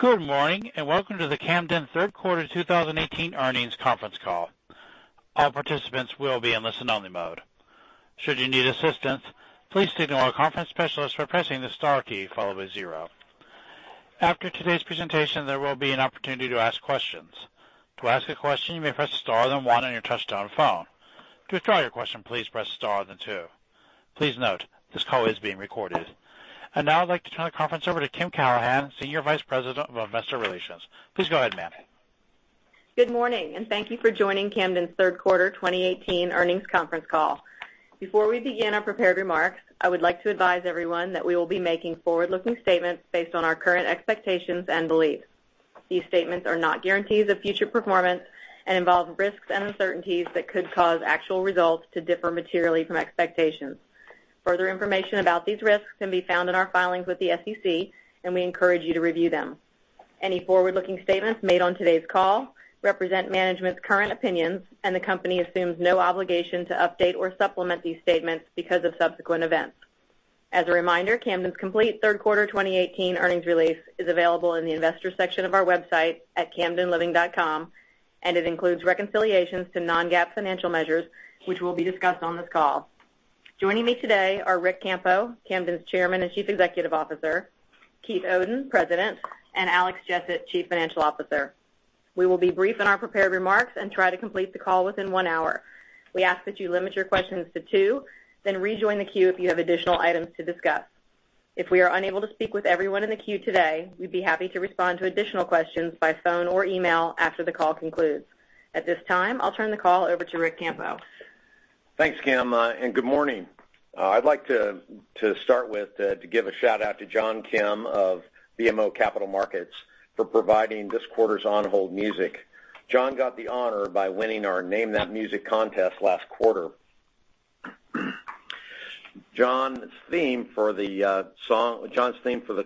Good morning, and welcome to the Camden third quarter 2018 earnings conference call. All participants will be in listen-only mode. Should you need assistance, please signal our conference specialist by pressing the star key followed by zero. After today's presentation, there will be an opportunity to ask questions. To ask a question, you may press star, then one on your touch-tone phone. To withdraw your question, please press star, then two. Please note, this call is being recorded. Now I'd like to turn the conference over to Kim Callahan, Senior Vice President of Investor Relations. Please go ahead, ma'am. Good morning, thank you for joining Camden's third quarter 2018 earnings conference call. Before we begin our prepared remarks, I would like to advise everyone that we will be making forward-looking statements based on our current expectations and beliefs. These statements are not guarantees of future performance and involve risks and uncertainties that could cause actual results to differ materially from expectations. Further information about these risks can be found in our filings with the SEC. We encourage you to review them. Any forward-looking statements made on today's call represent management's current opinions. The company assumes no obligation to update or supplement these statements because of subsequent events. As a reminder, Camden's complete third quarter 2018 earnings release is available in the investor section of our website at camdenliving.com. It includes reconciliations to non-GAAP financial measures, which will be discussed on this call. Joining me today are Ric Campo, Camden's Chairman and Chief Executive Officer; Keith Oden, President; and Alex Jessett, Chief Financial Officer. We will be brief in our prepared remarks and try to complete the call within one hour. We ask that you limit your questions to two. Rejoin the queue if you have additional items to discuss. If we are unable to speak with everyone in the queue today, we'd be happy to respond to additional questions by phone or email after the call concludes. At this time, I'll turn the call over to Ric Campo. Thanks, Kim, good morning. I'd like to start with to give a shout-out to John Kim of BMO Capital Markets for providing this quarter's on-hold music. John got the honor by winning our Name That Music contest last quarter. John's theme for the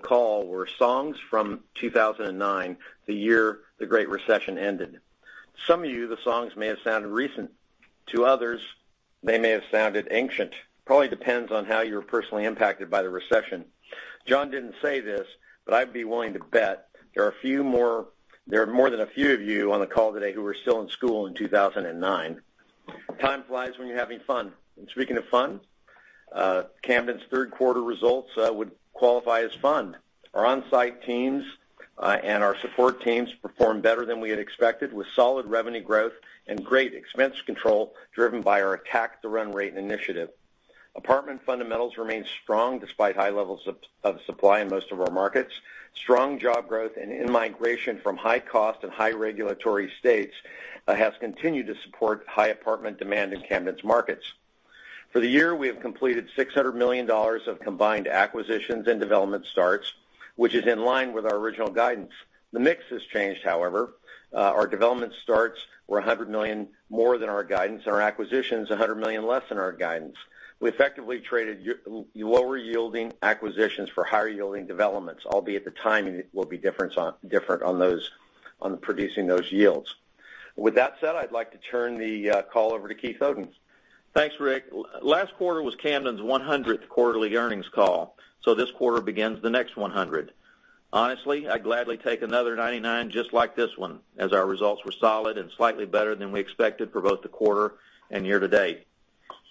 call were songs from 2009, the year the Great Recession ended. Some of you, the songs may have sounded recent. To others, they may have sounded ancient. Probably depends on how you were personally impacted by the recession. John didn't say this, but I'd be willing to bet there are more than a few of you on the call today who were still in school in 2009. Time flies when you're having fun. Speaking of fun, Camden's third quarter results would qualify as fun. Our on-site teams and our support teams performed better than we had expected with solid revenue growth and great expense control driven by our Attack the Run Rate initiative. Apartment fundamentals remained strong despite high levels of supply in most of our markets. Strong job growth and in-migration from high-cost and high-regulatory states has continued to support high apartment demand in Camden's markets. For the year, we have completed $600 million of combined acquisitions and development starts, which is in line with our original guidance. The mix has changed, however. Our development starts were $100 million more than our guidance, and our acquisitions $100 million less than our guidance. We effectively traded lower-yielding acquisitions for higher-yielding developments, albeit the timing will be different on producing those yields. With that said, I'd like to turn the call over to Keith Oden. Thanks, Ric. Last quarter was Camden's 100th quarterly earnings call. This quarter begins the next 100. Honestly, I'd gladly take another 99 just like this one, as our results were solid and slightly better than we expected for both the quarter and year-to-date.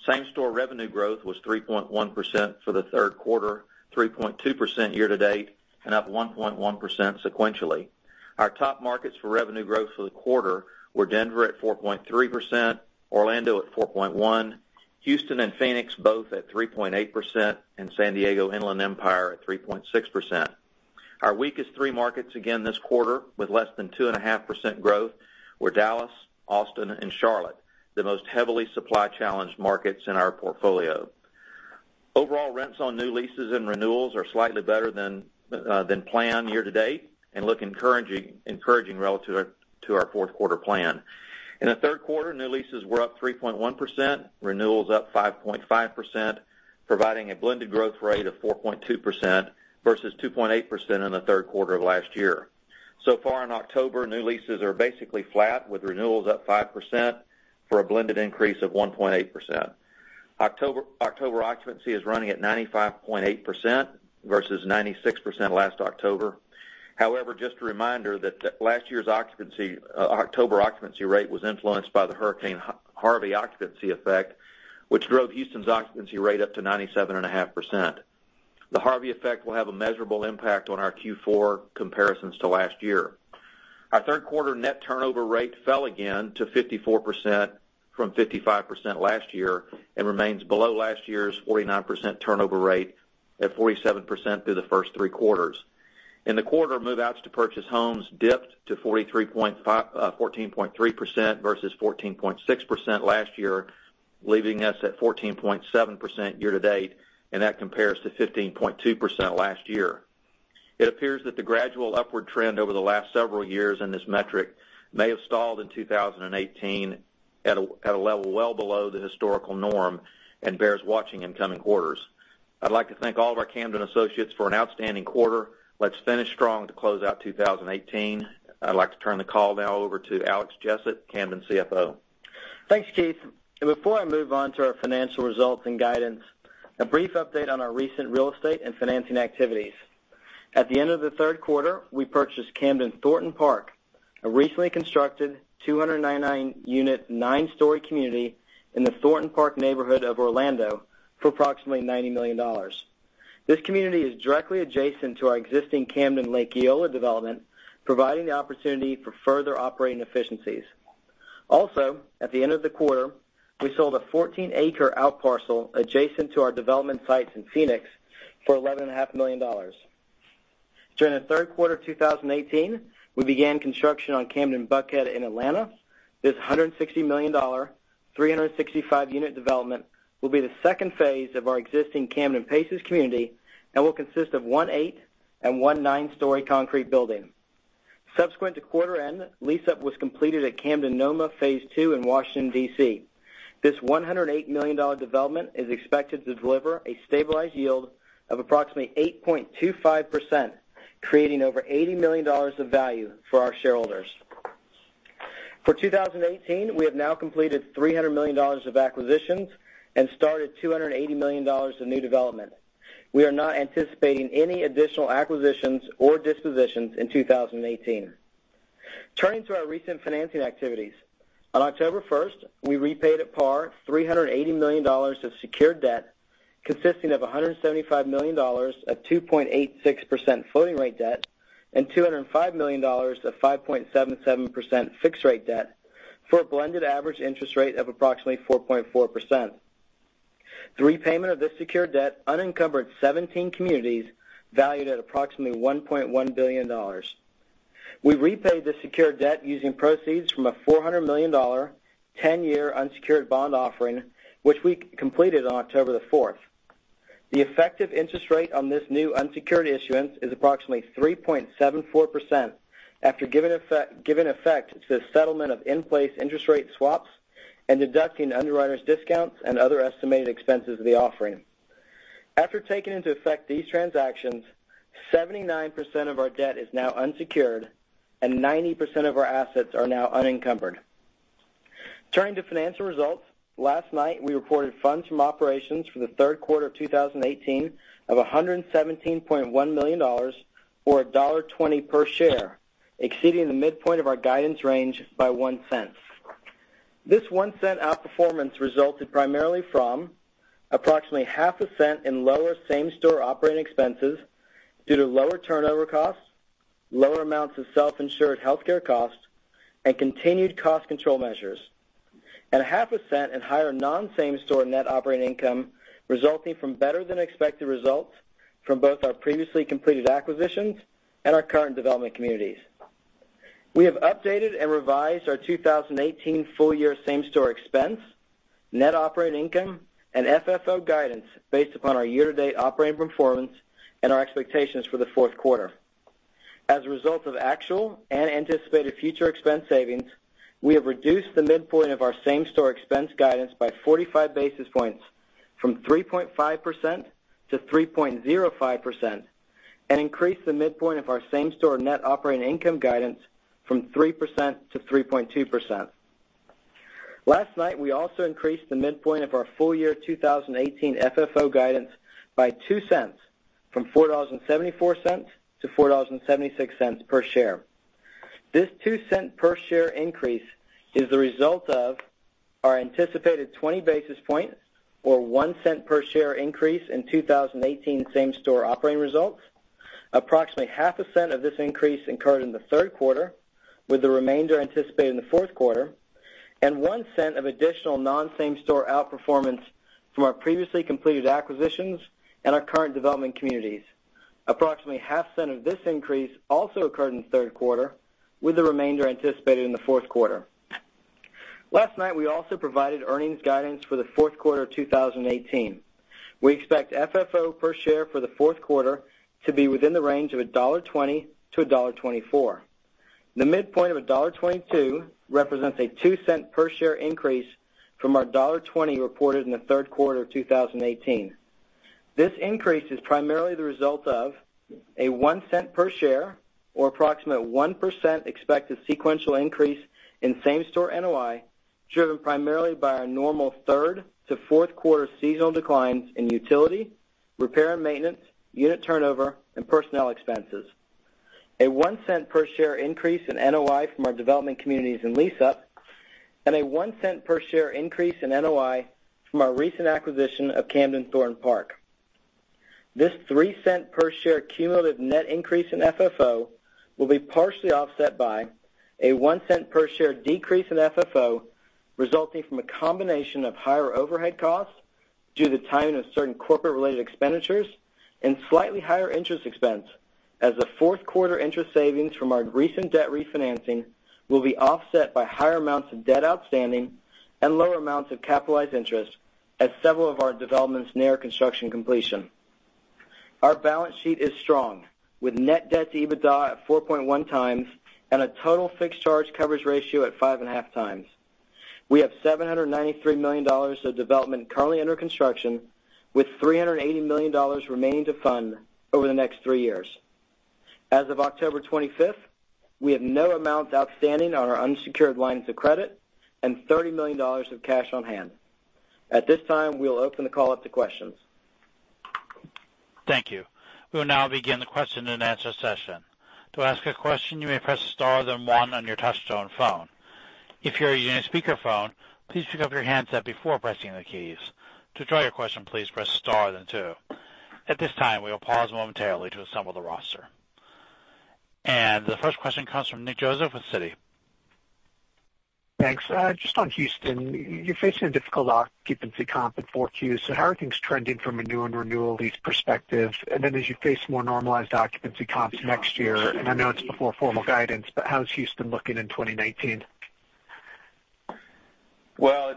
Same-store revenue growth was 3.1% for the third quarter, 3.2% year-to-date, and up 1.1% sequentially. Our top markets for revenue growth for the quarter were Denver at 4.3%, Orlando at 4.1%, Houston and Phoenix both at 3.8%, and San Diego Inland Empire at 3.6%. Our weakest three markets again this quarter, with less than 2.5% growth, were Dallas, Austin, and Charlotte, the most heavily supply-challenged markets in our portfolio. Overall rents on new leases and renewals are slightly better than planned year-to-date and look encouraging relative to our fourth quarter plan. In the third quarter, new leases were up 3.1%, renewals up 5.5%, providing a blended growth rate of 4.2% versus 2.8% in the third quarter of last year. Far in October, new leases are basically flat, with renewals up 5% for a blended increase of 1.8%. October occupancy is running at 95.8% versus 96% last October. However, just a reminder that last year's October occupancy rate was influenced by the Hurricane Harvey occupancy effect, which drove Houston's occupancy rate up to 97.5%. The Harvey effect will have a measurable impact on our Q4 comparisons to last year. Our third quarter net turnover rate fell again to 54% from 55% last year and remains below last year's 49% turnover rate at 47% through the first three quarters. In the quarter, move-outs to purchase homes dipped to 14.3% versus 14.6% last year, leaving us at 14.7% year-to-date, and that compares to 15.2% last year. It appears that the gradual upward trend over the last several years in this metric may have stalled in 2018 at a level well below the historical norm and bears watching in coming quarters. I'd like to thank all of our Camden associates for an outstanding quarter. Let's finish strong to close out 2018. I'd like to turn the call now over to Alex Jessett, Camden CFO. Thanks, Keith. Before I move on to our financial results and guidance, a brief update on our recent real estate and financing activities. At the end of the third quarter, we purchased Camden Thornton Park, a recently constructed 299-unit, 9-story community in the Thornton Park neighborhood of Orlando for approximately $90 million. This community is directly adjacent to our existing Camden Lake Eola development, providing the opportunity for further operating efficiencies. Also, at the end of the quarter, we sold a 14-acre out parcel adjacent to our development sites in Phoenix for $11.5 million. During the third quarter 2018, we began construction on Camden Buckhead in Atlanta. This $160 million, 365-unit development will be the second phase of our existing Camden Paces community and will consist of one eight and one nine-story concrete building. Subsequent to quarter end, lease-up was completed at Camden NoMa Phase Two in Washington, D.C. This $108 million development is expected to deliver a stabilized yield of approximately 8.25%, creating over $80 million of value for our shareholders. For 2018, we have now completed $300 million of acquisitions and started $280 million of new development. We are not anticipating any additional acquisitions or dispositions in 2018. Turning to our recent financing activities. On October 1st, we repaid at par $380 million of secured debt, consisting of $175 million of 2.86% floating rate debt, and $205 million of 5.77% fixed rate debt, for a blended average interest rate of approximately 4.4%. The repayment of this secured debt unencumbered 17 communities valued at approximately $1.1 billion. We repaid the secured debt using proceeds from a $400 million, 10-year unsecured bond offering, which we completed on October 4th. The effective interest rate on this new unsecured issuance is approximately 3.74% after giving effect to the settlement of in-place interest rate swaps and deducting underwriters' discounts and other estimated expenses of the offering. After taking into effect these transactions, 79% of our debt is now unsecured, and 90% of our assets are now unencumbered. Turning to financial results. Last night, we reported funds from operations for the third quarter of 2018 of $117.1 million, or $1.20 per share, exceeding the midpoint of our guidance range by $0.01. This $0.01 outperformance resulted primarily from approximately $0.005 in lower same-store operating expenses due to lower turnover costs, lower amounts of self-insured healthcare costs, and continued cost control measures, and $0.005 in higher non-same-store net operating income resulting from better than expected results from both our previously completed acquisitions and our current development communities. We have updated and revised our 2018 full-year same-store expense, net operating income, and FFO guidance based upon our year-to-date operating performance and our expectations for the fourth quarter. As a result of actual and anticipated future expense savings, we have reduced the midpoint of our same-store expense guidance by 45 basis points from 3.5%-3.05%, and increased the midpoint of our same-store net operating income guidance from 3%-3.2%. Last night, we also increased the midpoint of our full-year 2018 FFO guidance by $0.02, from $4.74-$4.76 per share. This $0.02 per share increase is the result of our anticipated 20 basis point, or $0.01 per share increase in 2018 same-store operating results. Approximately half a cent of this increase incurred in the third quarter, with the remainder anticipated in the fourth quarter, and $0.01 of additional non-same-store outperformance from our previously completed acquisitions and our current development communities. Approximately half cent of this increase also occurred in the third quarter, with the remainder anticipated in the fourth quarter. Last night, we also provided earnings guidance for the fourth quarter of 2018. We expect FFO per share for the fourth quarter to be within the range of $1.20-$1.24. The midpoint of $1.22 represents a $0.02 per share increase from our $1.20 reported in the third quarter of 2018. This increase is primarily the result of a $0.01 per share, or approximately 1% expected sequential increase in same-store NOI, driven primarily by our normal third to fourth quarter seasonal declines in utility, repair and maintenance, unit turnover, and personnel expenses. A $0.01 per share increase in NOI from our development communities and lease-up, and a $0.01 per share increase in NOI from our recent acquisition of Camden Thornton Park. This $0.03 per share cumulative net increase in FFO will be partially offset by a $0.01 per share decrease in FFO resulting from a combination of higher overhead costs due to the timing of certain corporate-related expenditures and slightly higher interest expense, as the fourth quarter interest savings from our recent debt refinancing will be offset by higher amounts of debt outstanding and lower amounts of capitalized interest as several of our developments near construction completion. Our balance sheet is strong, with net debt-to-EBITDA at 4.1 times and a total fixed charge coverage ratio at 5.5 times. We have $793 million of development currently under construction, with $380 million remaining to fund over the next three years. As of October 25th, we have no amounts outstanding on our unsecured lines of credit and $30 million of cash on hand. At this time, we'll open the call up to questions. Thank you. We'll now begin the question and answer session. To ask a question, you may press star, then one on your touch-tone phone. If you're using a speakerphone, please pick up your handset before pressing the keys. To withdraw your question, please press star, then two. At this time, we will pause momentarily to assemble the roster. The first question comes from Nick Joseph with Citi. Thanks. Just on Houston, you're facing a difficult occupancy comp in 4Q, how are things trending from a new and renewal lease perspective? As you face more normalized occupancy comps next year, I know it's before formal guidance, how's Houston looking in 2019? Well,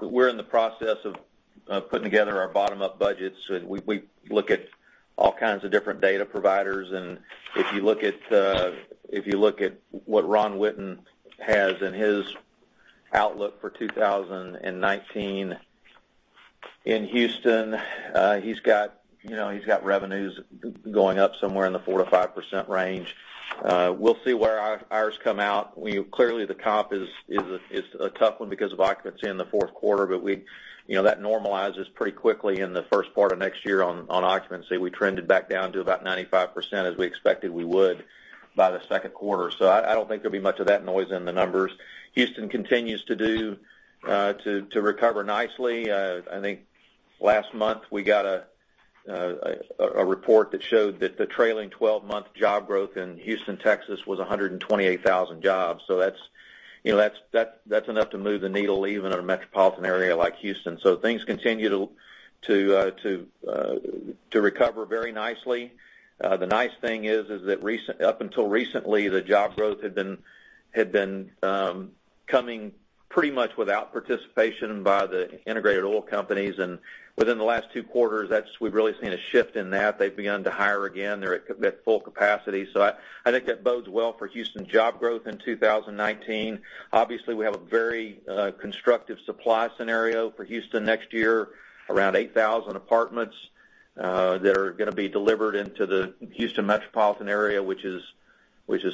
we're in the process of putting together our bottom-up budgets, we look at all kinds of different data providers. If you look at what Ron Witten has in his outlook for 2019 in Houston, he's got revenues going up somewhere in the 4%-5% range. We'll see where ours come out. Clearly, the comp is a tough one because of occupancy in the fourth quarter, that normalizes pretty quickly in the first part of next year on occupancy. We trended back down to about 95% as we expected we would by the second quarter. I don't think there'll be much of that noise in the numbers. Houston continues to recover nicely. I think last month we got a report that showed that the trailing 12-month job growth in Houston, Texas, was 128,000 jobs. That's enough to move the needle even in a metropolitan area like Houston. Things continue to recover very nicely. The nice thing is that up until recently, the job growth had been coming pretty much without participation by the integrated oil companies. Within the last two quarters, we've really seen a shift in that. They've begun to hire again. They're at full capacity. I think that bodes well for Houston job growth in 2019. Obviously, we have a very constructive supply scenario for Houston next year, around 8,000 apartments that are going to be delivered into the Houston metropolitan area, which is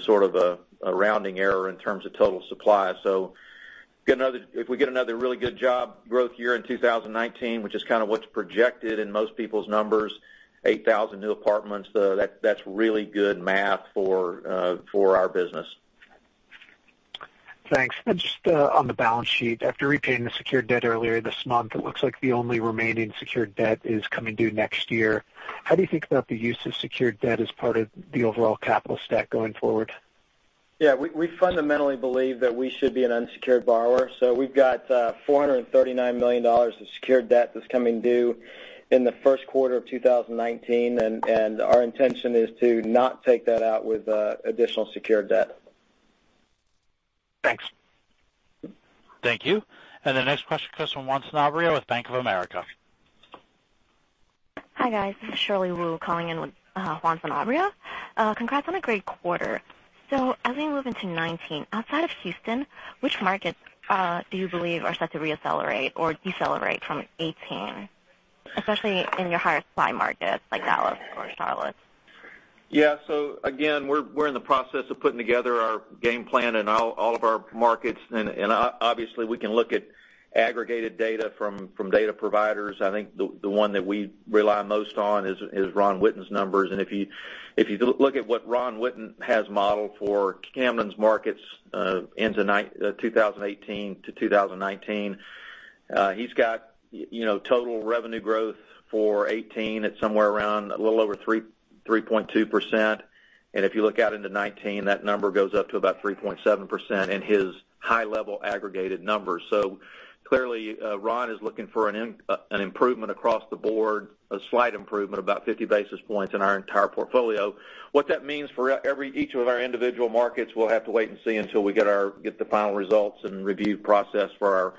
sort of a rounding error in terms of total supply. If we get another really good job growth year in 2019, which is kind of what's projected in most people's numbers, 8,000 new apartments, that's really good math for our business. Thanks. Just on the balance sheet, after repaying the secured debt earlier this month, it looks like the only remaining secured debt is coming due next year. How do you think about the use of secured debt as part of the overall capital stack going forward? Yeah, we fundamentally believe that we should be an unsecured borrower. We've got $439 million of secured debt that's coming due in the first quarter of 2019, and our intention is to not take that out with additional secured debt. Thanks. Thank you. The next question comes from Juan Sanabria with Bank of America. Hi, guys, this is Shirley Wu calling in with Juan Sanabria. Congrats on a great quarter. As we move into 2019, outside of Houston, which markets do you believe are set to re-accelerate or decelerate from 2018, especially in your higher supply markets like Dallas or Charlotte? Yeah. Again, we're in the process of putting together our game plan in all of our markets, and obviously, we can look at aggregated data from data providers. I think the one that we rely most on is Ron Witten's numbers. If you look at what Ron Witten has modeled for Camden's markets into 2018 to 2019, he's got total revenue growth for 2018 at somewhere around a little over 3.2%. If you look out into 2019, that number goes up to about 3.7% in his high-level aggregated numbers. Clearly, Ron is looking for an improvement across the board, a slight improvement, about 50 basis points in our entire portfolio. What that means for each of our individual markets, we'll have to wait and see until we get the final results and review process for our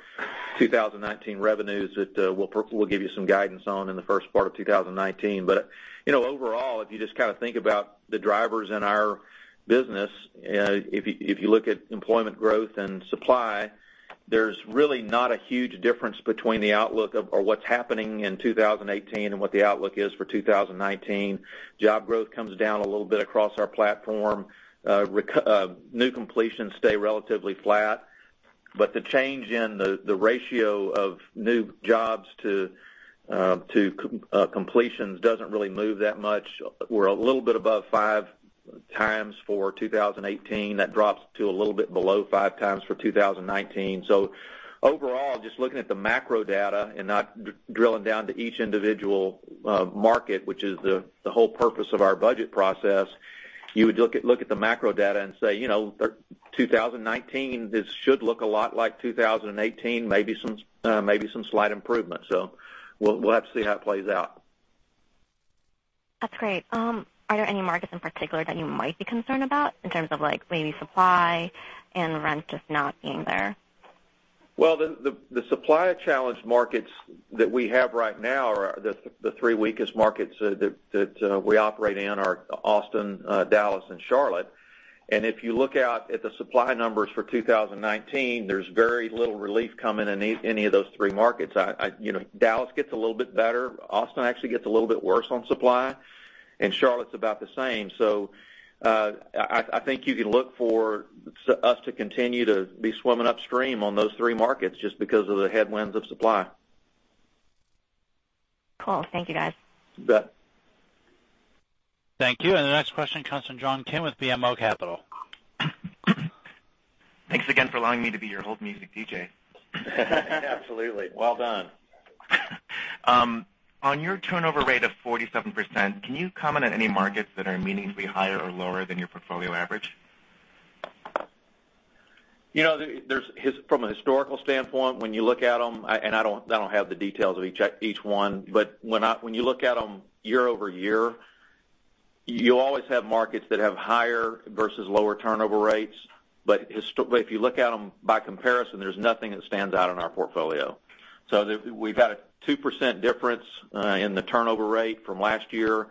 2019 revenues that we'll give you some guidance on in the first part of 2019. Overall, if you just kind of think about the drivers in our business, if you look at employment growth and supply, there's really not a huge difference between the outlook of what's happening in 2018 and what the outlook is for 2019. Job growth comes down a little bit across our platform. New completions stay relatively flat, but the change in the ratio of new jobs to completions doesn't really move that much. We're a little bit above five times for 2018. That drops to a little bit below five times for 2019. Overall, just looking at the macro data and not drilling down to each individual market, which is the whole purpose of our budget process, you would look at the macro data and say, 2019, this should look a lot like 2018, maybe some slight improvement. We'll have to see how it plays out. That's great. Are there any markets in particular that you might be concerned about in terms of maybe supply and rent just not being there? Well, the supply-challenged markets that we have right now are the three weakest markets that we operate in are Austin, Dallas, and Charlotte. If you look out at the supply numbers for 2019, there's very little relief coming in any of those three markets. Dallas gets a little bit better. Austin actually gets a little bit worse on supply. Charlotte's about the same. I think you can look for us to continue to be swimming upstream on those three markets just because of the headwinds of supply. Cool. Thank you, guys. You bet. Thank you. The next question comes from John Kim with BMO Capital. Thanks again for allowing me to be your hold music DJ. Absolutely. Well done. On your turnover rate of 47%, can you comment on any markets that are meaningfully higher or lower than your portfolio average? From a historical standpoint, when you look at them, I don't have the details of each one, but when you look at them year-over-year, you always have markets that have higher versus lower turnover rates. If you look at them by comparison, there's nothing that stands out in our portfolio. We've had a 2% difference in the turnover rate from last year,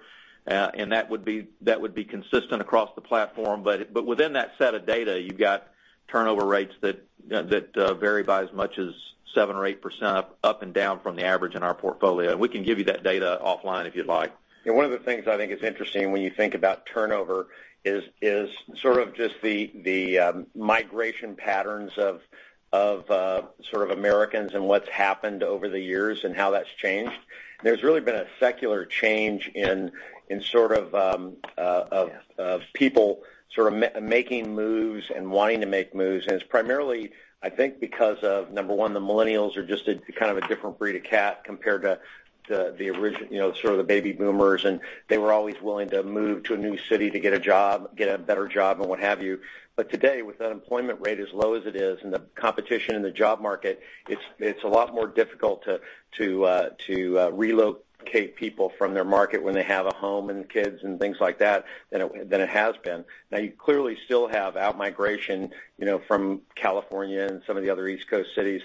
and that would be consistent across the platform, but within that set of data, you've got turnover rates that vary by as much as 7% or 8% up and down from the average in our portfolio. We can give you that data offline if you'd like. One of the things I think is interesting when you think about turnover is sort of just the migration patterns of sort of Americans and what's happened over the years and how that's changed. There's really been a secular change in. Yeah people sort of making moves and wanting to make moves. It's primarily, I think, because of, number one, the millennials are just kind of a different breed of cat compared to sort of the baby boomers, and they were always willing to move to a new city to get a better job and what have you. Today, with the unemployment rate as low as it is and the competition in the job market, it's a lot more difficult to relocate people from their market when they have a home and kids and things like that than it has been. You clearly still have out-migration from California and some of the other East Coast cities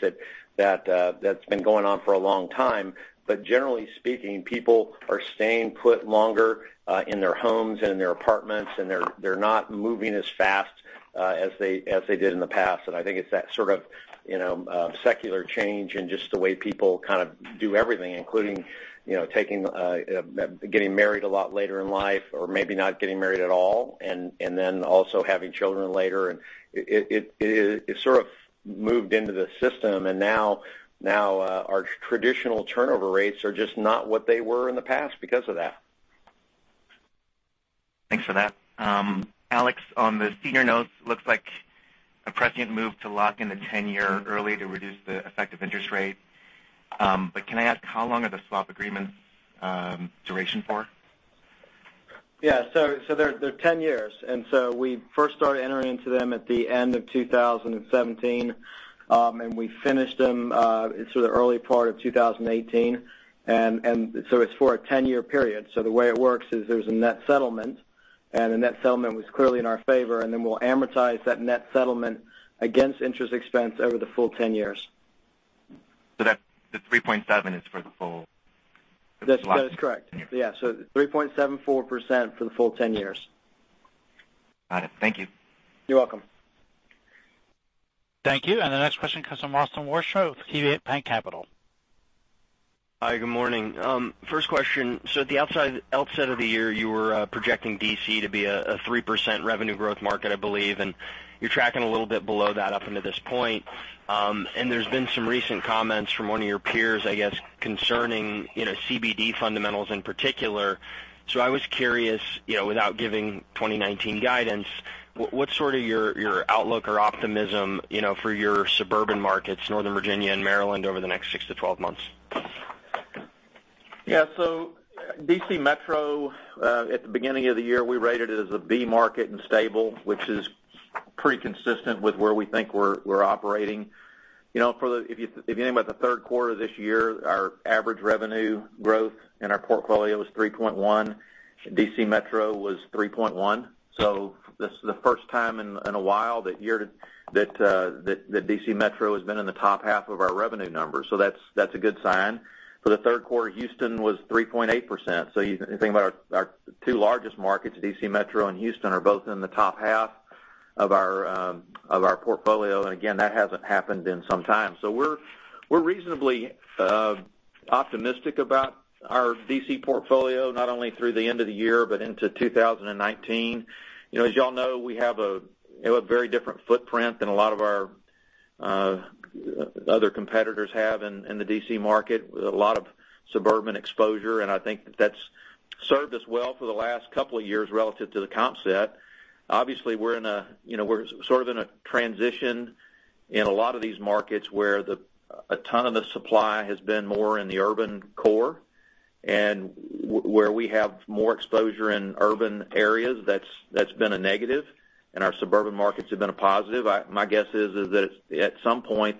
that's been going on for a long time. Generally speaking, people are staying put longer, in their homes and in their apartments, and they're not moving as fast as they did in the past. I think it's that sort of secular change in just the way people kind of do everything, including getting married a lot later in life or maybe not getting married at all, and then also having children later, and it sort of moved into the system, and now our traditional turnover rates are just not what they were in the past because of that. Thanks for that. Alex, on the senior notes, looks like a prescient move moved to lock in the 10-year early to reduce the effective interest rate. Can I ask how long are the swap agreements, duration for? Yeah. They're 10 years. We first started entering into them at the end of 2017. We finished them in sort of early part of 2018. It's for a 10-year period. The way it works is there's a net settlement, and the net settlement was clearly in our favor, and then we'll amortize that net settlement against interest expense over the full 10 years. The 3.7% is for the full swap. That's correct. Yeah. 3.74% for the full 10 years. Got it. Thank you. You're welcome. Thank you. The next question comes from Austin Wurschmidt, KeyBanc Capital. Hi, good morning. First question, at the outset of the year, you were projecting D.C. to be a 3% revenue growth market, I believe, you're tracking a little bit below that up into this point. There's been some recent comments from one of your peers, I guess, concerning CBD fundamentals in particular. I was curious, without giving 2019 guidance, what's sort of your outlook or optimism for your suburban markets, Northern Virginia and Maryland, over the next 6-12 months? Yeah. D.C. Metro, at the beginning of the year, we rated it as a B market and stable, which is pretty consistent with where we think we're operating. If you think about the third quarter this year, our average revenue growth in our portfolio was 3.1. D.C. Metro was 3.1, this is the first time in a while that D.C. Metro has been in the top half of our revenue numbers, that's a good sign. For the third quarter, Houston was 3.8%, you think about our two largest markets, D.C. Metro and Houston, are both in the top half of our portfolio, and again, that hasn't happened in some time. We're reasonably optimistic about our D.C. portfolio, not only through the end of the year but into 2019. As you all know, we have a very different footprint than a lot of our other competitors have in the D.C. market, with a lot of suburban exposure, and I think that's served us well for the last couple of years relative to the comp set. Obviously, we're sort of in a transition in a lot of these markets where a ton of the supply has been more in the urban core, and where we have more exposure in urban areas, that's been a negative, and our suburban markets have been a positive. My guess is that at some point,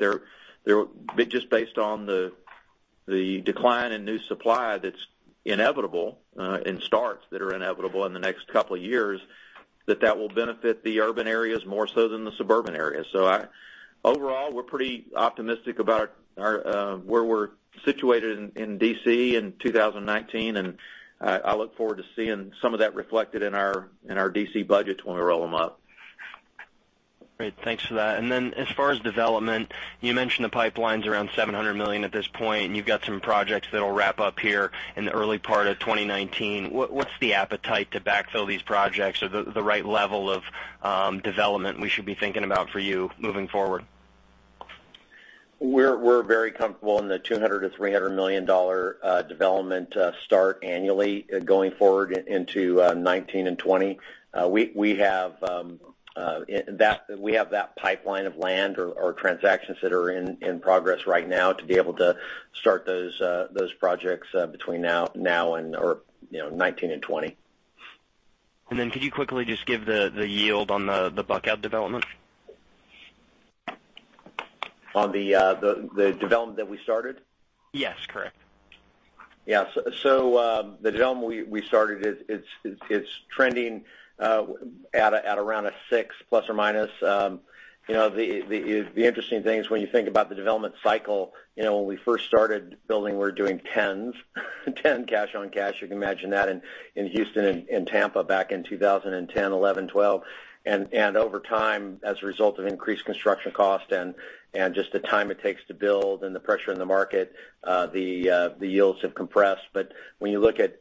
just based on the decline in new supply that's inevitable, and starts that are inevitable in the next couple of years, that that will benefit the urban areas more so than the suburban areas. Overall, we're pretty optimistic about where we're situated in D.C. in 2019, and I look forward to seeing some of that reflected in our D.C. budgets when we roll them up. Great. Thanks for that. As far as development, you mentioned the pipeline's around $700 million at this point, and you've got some projects that'll wrap up here in the early part of 2019. What's the appetite to backfill these projects or the right level of development we should be thinking about for you moving forward? We're very comfortable in the $200 million-$300 million development start annually going forward into 2019 and 2020. We have that pipeline of land or transactions that are in progress right now to be able to start those projects between now and 2019 and 2020. Could you quickly just give the yield on the Buckhead development? On the development that we started? Yes, correct. The development we started, it's trending at around a six ±. The interesting thing is when you think about the development cycle, when we first started building, we were doing 10s, 10 cash-on-cash. You can imagine that in Houston and Tampa back in 2010, 2011, 2012. Over time, as a result of increased construction cost and just the time it takes to build and the pressure in the market, the yields have compressed. When you look at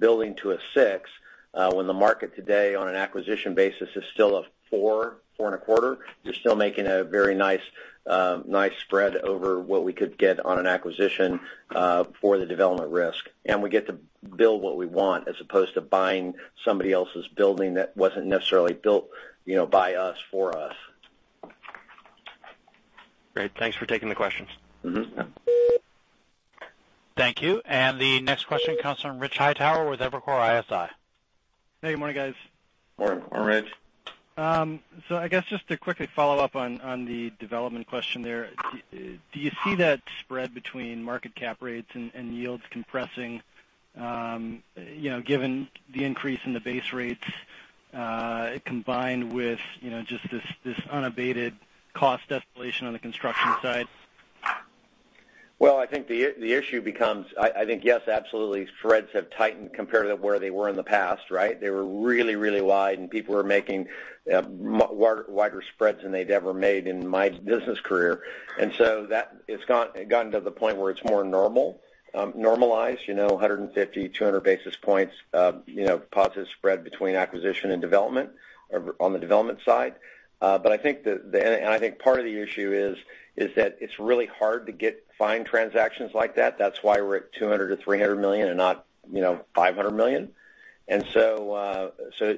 building to a six, when the market today on an acquisition basis is still a four and a quarter, you're still making a very nice spread over what we could get on an acquisition for the development risk. We get to build what we want as opposed to buying somebody else's building that wasn't necessarily built by us, for us. Great. Thanks for taking the questions. Mm-hmm. Yeah. Thank you. The next question comes from Rich Hightower with Evercore ISI. Hey, good morning, guys. Morning, Rich. I guess just to quickly follow up on the development question there, do you see that spread between market cap rates and yields compressing, given the increase in the base rates, combined with just this unabated cost escalation on the construction side? I think the issue becomes, I think yes, absolutely, spreads have tightened compared to where they were in the past, right? They were really wide, and people were making wider spreads than they'd ever made in my business career. That has gotten to the point where it's more normalized, 150, 200 basis points of positive spread between acquisition and development or on the development side. I think part of the issue is that it's really hard to find transactions like that. That's why we're at $200 million-$300 million and not $500 million. It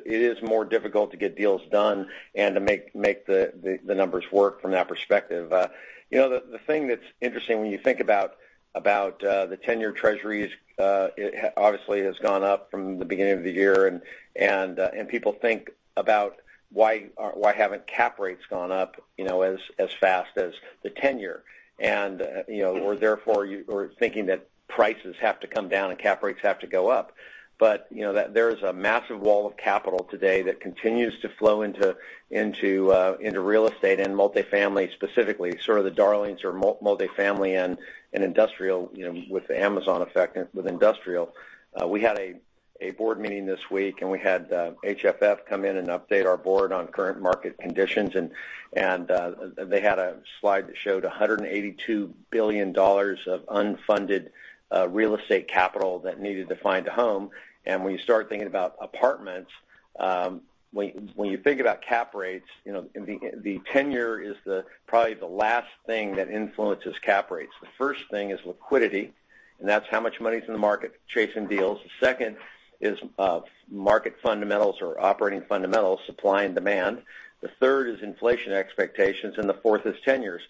is more difficult to get deals done and to make the numbers work from that perspective. The thing that's interesting when you think about the 10-year Treasuries, obviously, has gone up from the beginning of the year, and people think about why haven't cap rates gone up as fast as the 10-year. Therefore, you are thinking that prices have to come down and cap rates have to go up. There is a massive wall of capital today that continues to flow into real estate and multifamily specifically, sort of the darlings or multifamily and industrial, with the Amazon effect with industrial. We had a board meeting this week, and we had HFF come in and update our board on current market conditions, and they had a slide that showed $182 billion of unfunded real estate capital that needed to find a home. When you start thinking about apartments, when you think about cap rates, the 10-year is probably the last thing that influences cap rates. The first thing is liquidity, and that's how much money's in the market chasing deals. The second is market fundamentals or operating fundamentals, supply and demand. The third is inflation expectations, and the fourth is 10-years.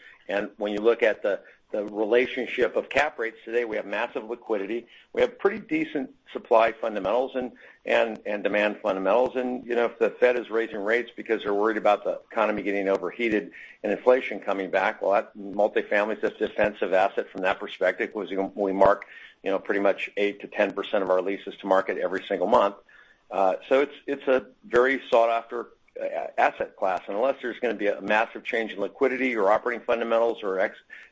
When you look at the relationship of cap rates today, we have massive liquidity. We have pretty decent supply fundamentals and demand fundamentals. If the Fed is raising rates because they're worried about the economy getting overheated and inflation coming back, well, multifamily is just a defensive asset from that perspective because we mark pretty much 8%-10% of our leases to market every single month. It's a very sought-after asset class, unless there's going to be a massive change in liquidity or operating fundamentals or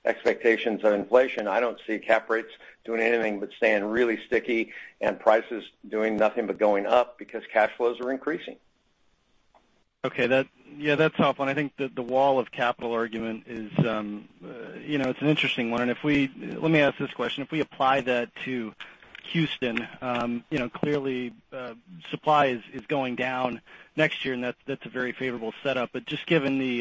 expectations of inflation. I don't see cap rates doing anything but staying really sticky and prices doing nothing but going up because cash flows are increasing. Okay. Yeah, that's a tough one. I think the wall of capital argument, it's an interesting one. Let me ask this question. If we apply that to Houston, clearly, supply is going down next year, and that's a very favorable setup. Just given the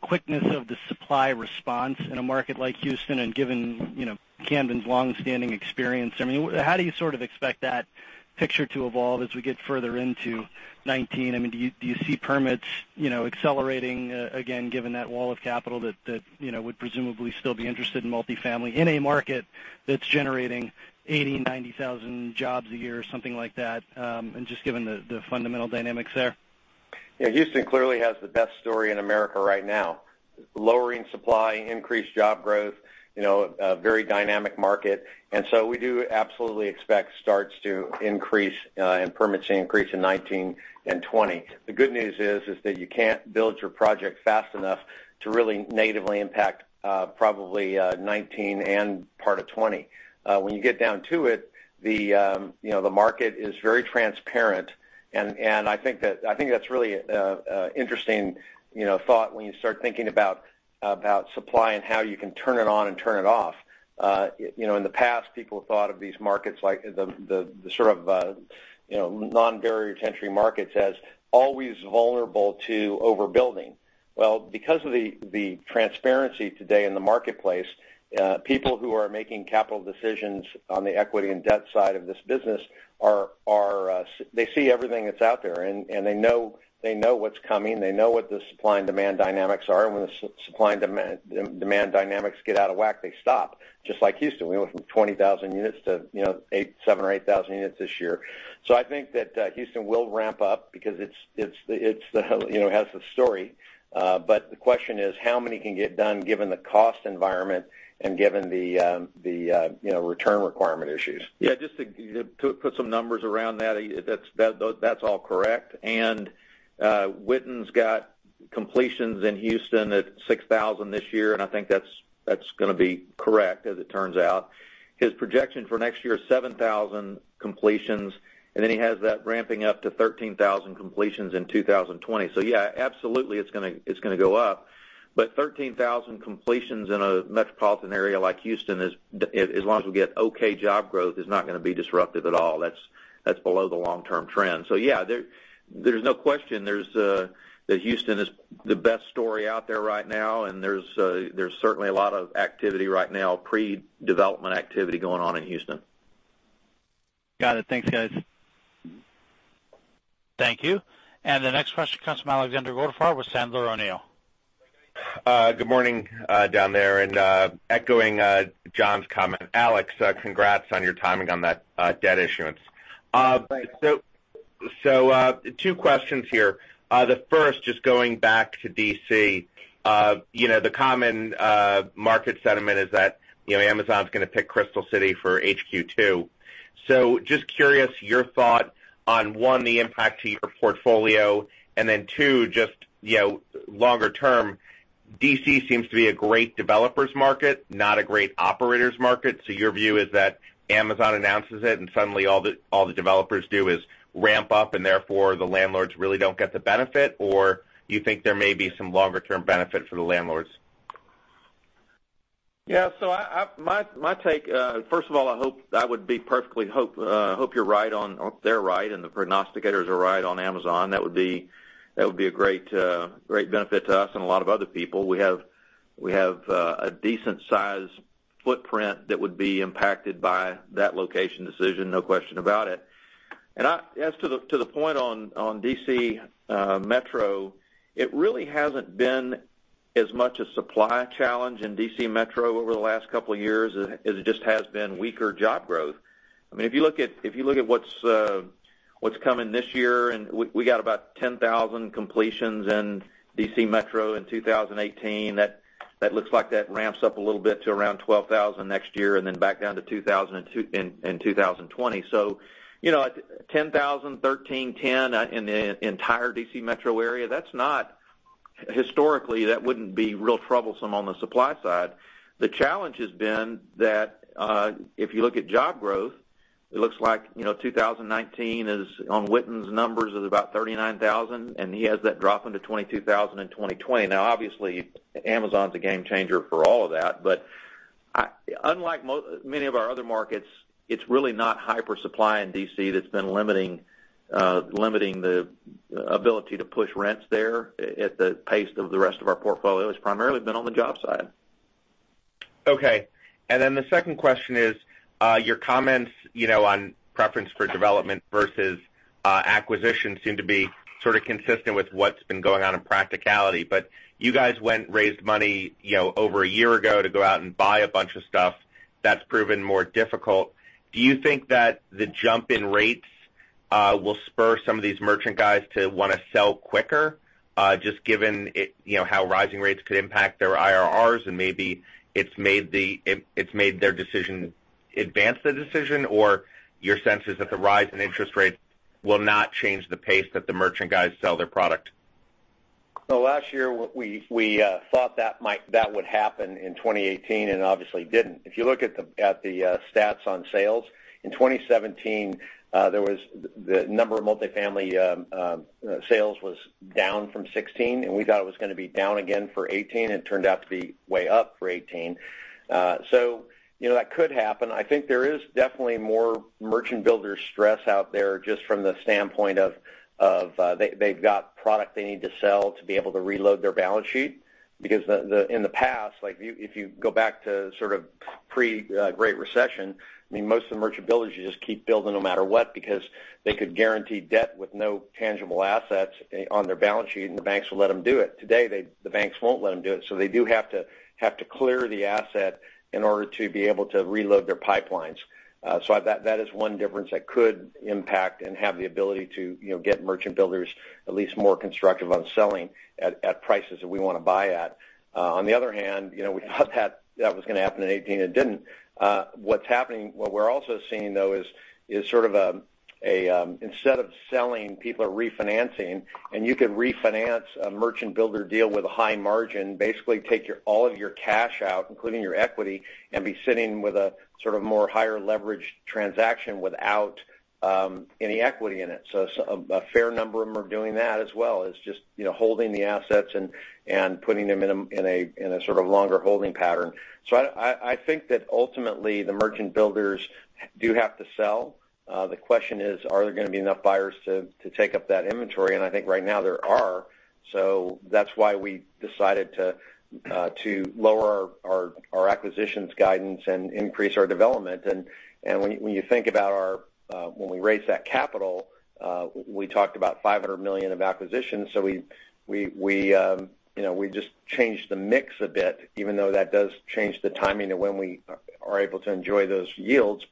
quickness of the supply response in a market like Houston and given Camden's long-standing experience, how do you sort of expect that picture to evolve as we get further into 2019? Do you see permits accelerating again, given that wall of capital that would presumably still be interested in multifamily in a market that's generating 80,000, 90,000 jobs a year or something like that, and just given the fundamental dynamics there? Yeah, Houston clearly has the best story in America right now. Lowering supply, increased job growth, a very dynamic market. We do absolutely expect starts to increase and permits to increase in 2019 and 2020. The good news is that you can't build your project fast enough to really natively impact probably 2019 and part of 2020. When you get down to it, the market is very transparent. I think that's really interesting thought when you start thinking about supply and how you can turn it on and turn it off. In the past, people have thought of these markets, like the sort of non-barrier to entry markets as always vulnerable to overbuilding. Well, because of the transparency today in the marketplace, people who are making capital decisions on the equity and debt side of this business, they see everything that's out there, and they know what's coming, they know what the supply and demand dynamics are, and when the supply and demand dynamics get out of whack, they stop. Just like Houston. We went from 20,000 units to seven or 8,000 units this year. I think that Houston will ramp up because it has the story. The question is how many can get done given the cost environment and given the return requirement issues. Just to put some numbers around that's all correct. Witten's got completions in Houston at 6,000 this year, and I think that's going to be correct, as it turns out. His projection for next year is 7,000 completions, and then he has that ramping up to 13,000 completions in 2020. Yeah, absolutely, it's going to go up, but 13,000 completions in a metropolitan area like Houston, as long as we get okay job growth, is not going to be disruptive at all. That's below the long-term trend. Yeah, there's no question that Houston is the best story out there right now, and there's certainly a lot of activity right now, pre-development activity going on in Houston. Got it. Thanks, guys. Thank you. The next question comes from Alexander Goldfarb with Sandler O'Neill. Good morning down there, and echoing John's comment, Alex, congrats on your timing on that debt issuance. Thanks. Two questions here. The first, going back to D.C. The common market sentiment is that Amazon's going to pick Crystal City for HQ2. Just curious, your thought on, one, the impact to your portfolio, and two, longer-term, D.C. seems to be a great developer's market, not a great operator's market. Your view is that Amazon announces it, and suddenly all the developers do is ramp up, and therefore the landlords really don't get the benefit? Or you think there may be some longer-term benefit for the landlords? My take, first of all, I would perfectly hope they're right, and the prognosticators are right on Amazon. That would be a great benefit to us and a lot of other people. We have a decent-sized footprint that would be impacted by that location decision, no question about it. As to the point on D.C. Metro, it really hasn't been as much a supply challenge in D.C. Metro over the last couple of years, as it just has been weaker job growth. If you look at what's coming this year, we got about 10,000 completions in D.C. Metro in 2018. That looks like that ramps up a little bit to around 12,000 next year and back down to 2,000 in 2020. 10,000, 13, 10 in the entire D.C. Metro area, historically, that wouldn't be real troublesome on the supply side. The challenge has been that if you look at job growth, it looks like 2019 is on Witten's numbers is about 39,000, and he has that dropping to 22,000 in 2020. Obviously, Amazon's a game changer for all of that, but unlike many of our other markets, it's really not hyper supply in D.C. that's been limiting the ability to push rents there at the pace of the rest of our portfolio. It's primarily been on the job side. Okay. The second question is, your comments on preference for development versus acquisition seem to be sort of consistent with what's been going on in practicality. You guys went, raised money over a year ago to go out and buy a bunch of stuff. That's proven more difficult. Do you think that the jump in rates will spur some of these merchant guys to want to sell quicker, given how rising rates could impact their IRRs, and maybe it's made their decision advance the decision? Or your sense is that the rise in interest rates will not change the pace that the merchant guys sell their product? Last year, we thought that would happen in 2018, obviously didn't. If you look at the stats on sales, in 2017, the number of multifamily sales was down from 2016, and we thought it was going to be down again for 2018, and it turned out to be way up for 2018. That could happen. I think there is definitely more merchant builder stress out there just from the standpoint of they've got product they need to sell to be able to reload their balance sheet. Because in the past, if you go back to sort of pre-Great Recession, most of the merchant builders just keep building no matter what because they could guarantee debt with no tangible assets on their balance sheet, and the banks would let them do it. Today, the banks won't let them do it, so they do have to clear the asset in order to be able to reload their pipelines. That is one difference that could impact and have the ability to get merchant builders at least more constructive on selling at prices that we want to buy at. On the other hand, we thought that was going to happen in 2018, and it didn't. What we're also seeing, though, is sort of instead of selling, people are refinancing, and you could refinance a merchant builder deal with a high margin, basically take all of your cash out, including your equity, and be sitting with a sort of more higher leverage transaction without any equity in it. A fair number of them are doing that as well, is just holding the assets and putting them in a sort of longer holding pattern. I think that ultimately the merchant builders do have to sell. The question is, are there going to be enough buyers to take up that inventory? I think right now there are. That's why we decided to lower our acquisitions guidance and increase our development. When you think about when we raised that capital, we talked about $500 million of acquisitions. We just changed the mix a bit, even though that does change the timing of when we are able to enjoy those yields.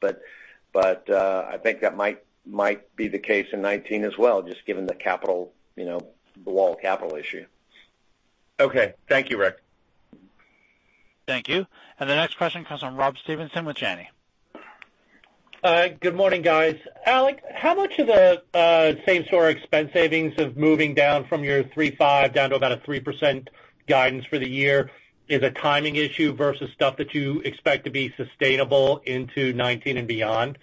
I think that might be the case in 2019 as well, just given the wall of capital issue. Okay. Thank you, Ric. Thank you. The next question comes from Rob Stevenson with Janney. Good morning, guys. Alex, how much of the same-store expense savings of moving down from your 3.5 down to about a 3% guidance for the year is a timing issue versus stuff that you expect to be sustainable into 2019 and beyond?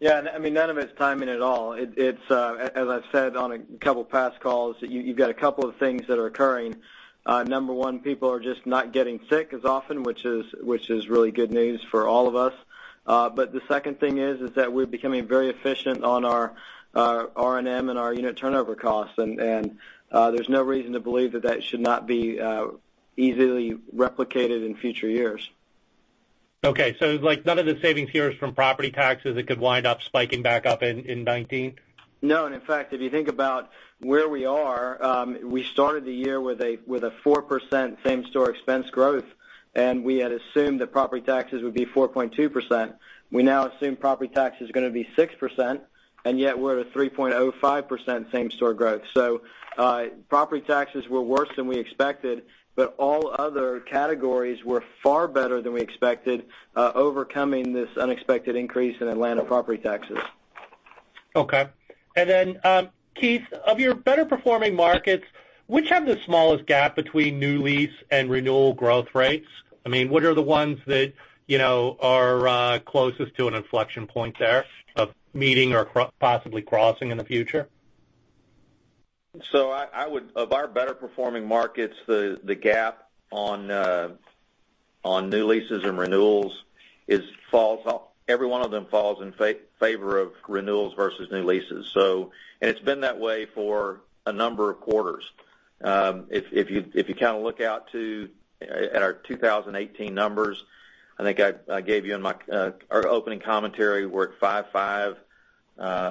Yeah, none of it's timing at all. As I've said on a couple of past calls, you've got a couple of things that are occurring. Number one, people are just not getting sick as often, which is really good news for all of us. The second thing is that we're becoming very efficient on our R&M and our unit turnover costs. There's no reason to believe that that should not be easily replicated in future years. Okay. None of the savings here is from property taxes that could wind up spiking back up in 2019? No. In fact, if you think about where we are, we started the year with a 4% same-store expense growth, and we had assumed that property taxes would be 4.2%. We now assume property tax is going to be 6%, and yet we're at a 3.05% same-store growth. Property taxes were worse than we expected, but all other categories were far better than we expected, overcoming this unexpected increase in Atlanta property taxes. Okay. Keith, of your better performing markets, which have the smallest gap between new lease and renewal growth rates? What are the ones that are closest to an inflection point there of meeting or possibly crossing in the future? Of our better performing markets, the gap on new leases and renewals, every one of them falls in favor of renewals versus new leases. It's been that way for a number of quarters. If you look out to at our 2018 numbers, I think I gave you in our opening commentary, we're at 5.5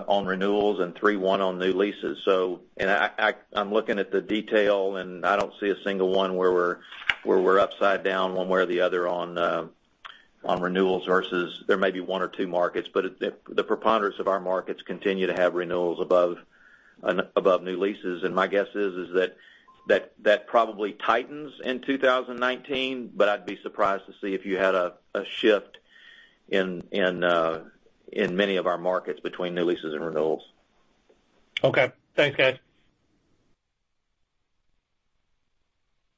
on renewals and 3.1 on new leases. I'm looking at the detail, and I don't see a single one where we're upside down one way or the other on renewals versus there may be one or two markets, but the preponderance of our markets continue to have renewals above new leases. My guess is that probably tightens in 2019, but I'd be surprised to see if you had a shift in many of our markets between new leases and renewals. Okay. Thanks, guys.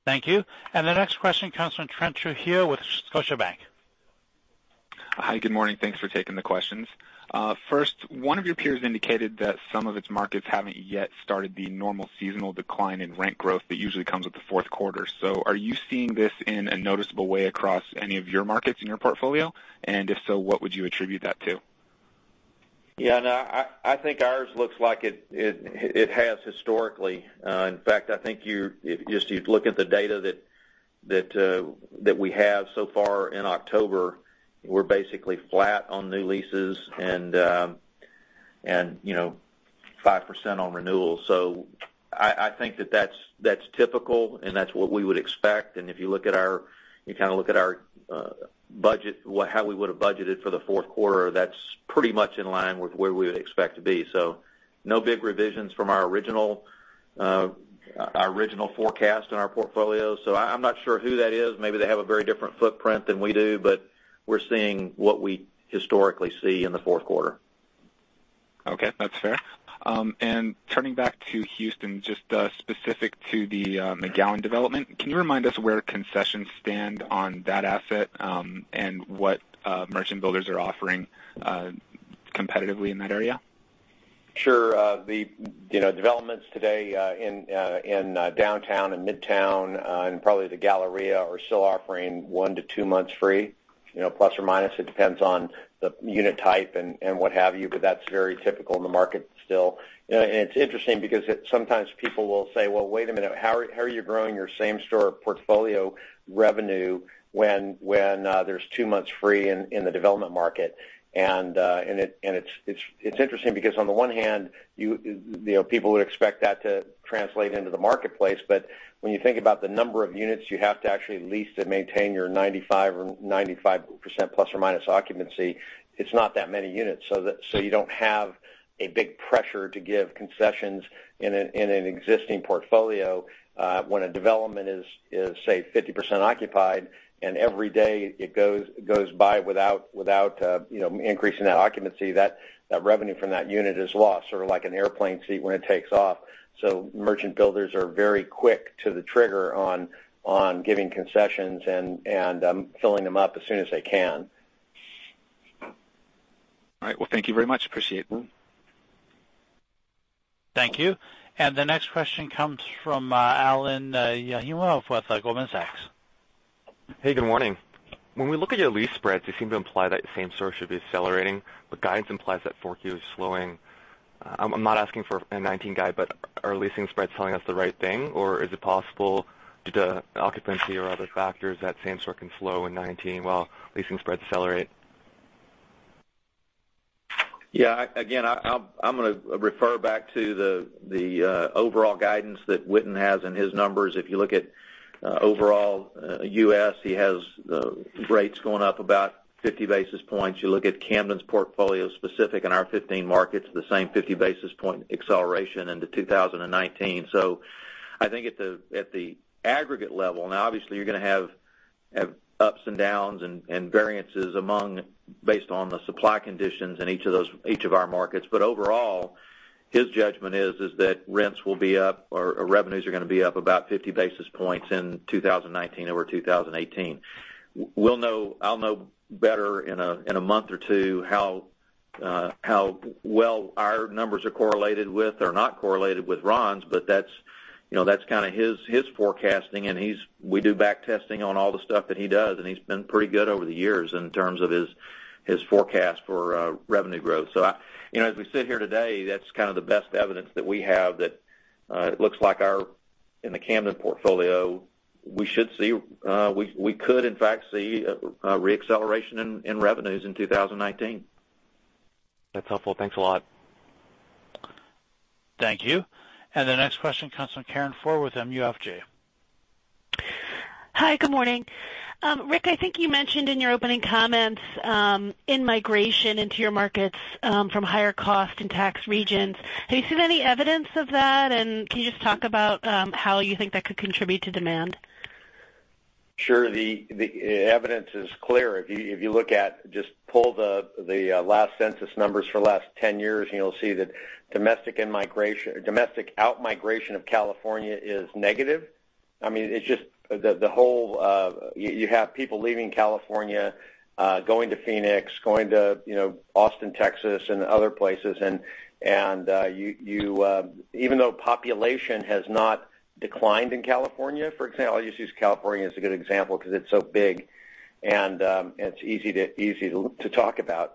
Thank you. The next question comes from Trent Theriot with Scotiabank. Hi, good morning. Thanks for taking the questions. First, one of your peers indicated that some of its markets haven't yet started the normal seasonal decline in rent growth that usually comes with the fourth quarter. Are you seeing this in a noticeable way across any of your markets in your portfolio? If so, what would you attribute that to? Yeah. I think ours looks like it has historically. In fact, I think if you look at the data that we have so far in October, we're basically flat on new leases and 5% on renewals. I think that's typical, and that's what we would expect. If you look at our budget, how we would've budgeted for the fourth quarter, that's pretty much in line with where we would expect to be. No big revisions from our original forecast in our portfolio. I'm not sure who that is. Maybe they have a very different footprint than we do, but we're seeing what we historically see in the fourth quarter. Okay. That's fair. Turning back to Houston, just specific to the McGowen development, can you remind us where concessions stand on that asset, and what merchant builders are offering competitively in that area? Sure. The developments today in Downtown and Midtown, probably the Galleria are still offering one to two months free, ±. It depends on the unit type and what have you, but that's very typical in the market still. It's interesting because sometimes people will say, "Well, wait a minute. How are you growing your same-store portfolio revenue when there's two months free in the development market?" It's interesting because on the one hand, people would expect that to translate into the marketplace, but when you think about the number of units you have to actually lease to maintain your 95% ± occupancy, it's not that many units. You don't have a big pressure to give concessions in an existing portfolio. When a development is, say, 50% occupied and every day it goes by without increasing that occupancy, that revenue from that unit is lost. Sort of like an airplane seat when it takes off. Merchant builders are very quick to the trigger on giving concessions and filling them up as soon as they can. All right. Well, thank you very much. Appreciate it. Thank you. The next question comes from Allen Yi with Goldman Sachs. Hey, good morning. When we look at your lease spreads, you seem to imply that same store should be accelerating, guidance implies that 4Q is slowing. I'm not asking for a 2019 guide, are leasing spreads telling us the right thing, or is it possible, due to occupancy or other factors, that same store can slow in 2019 while leasing spreads accelerate? Yeah. Again, I'm going to refer back to the overall guidance that Witten has in his numbers. If you look at overall U.S., he has rates going up about 50 basis points. You look at Camden's portfolio specific in our 15 markets, the same 50 basis point acceleration into 2019. I think at the aggregate level, now obviously you're going to have ups and downs and variances based on the supply conditions in each of our markets. Overall, his judgment is that rents will be up, or revenues are going to be up about 50 basis points in 2019 over 2018. I'll know better in a month or two how well our numbers are correlated with or not correlated with Ron's, that's kind of his forecasting we do back testing on all the stuff that he does, he's been pretty good over the years in terms of his forecast for revenue growth. As we sit here today, that's kind of the best evidence that we have that it looks like in the Camden portfolio, we could in fact see a re-acceleration in revenues in 2019. That's helpful. Thanks a lot. Thank you. The next question comes from Karin Ford with MUFG. Hi, good morning. Ric, I think you mentioned in your opening comments in-migration into your markets from higher cost and tax regions. Have you seen any evidence of that? Can you just talk about how you think that could contribute to demand? Sure. The evidence is clear. If you just pull the last census numbers for last 10 years, you'll see that domestic out-migration of California is negative. You have people leaving California, going to Phoenix, going to Austin, Texas, and other places. Even though population has not declined in California, for example, I'll just use California as a good example because it's so big and it's easy to talk about.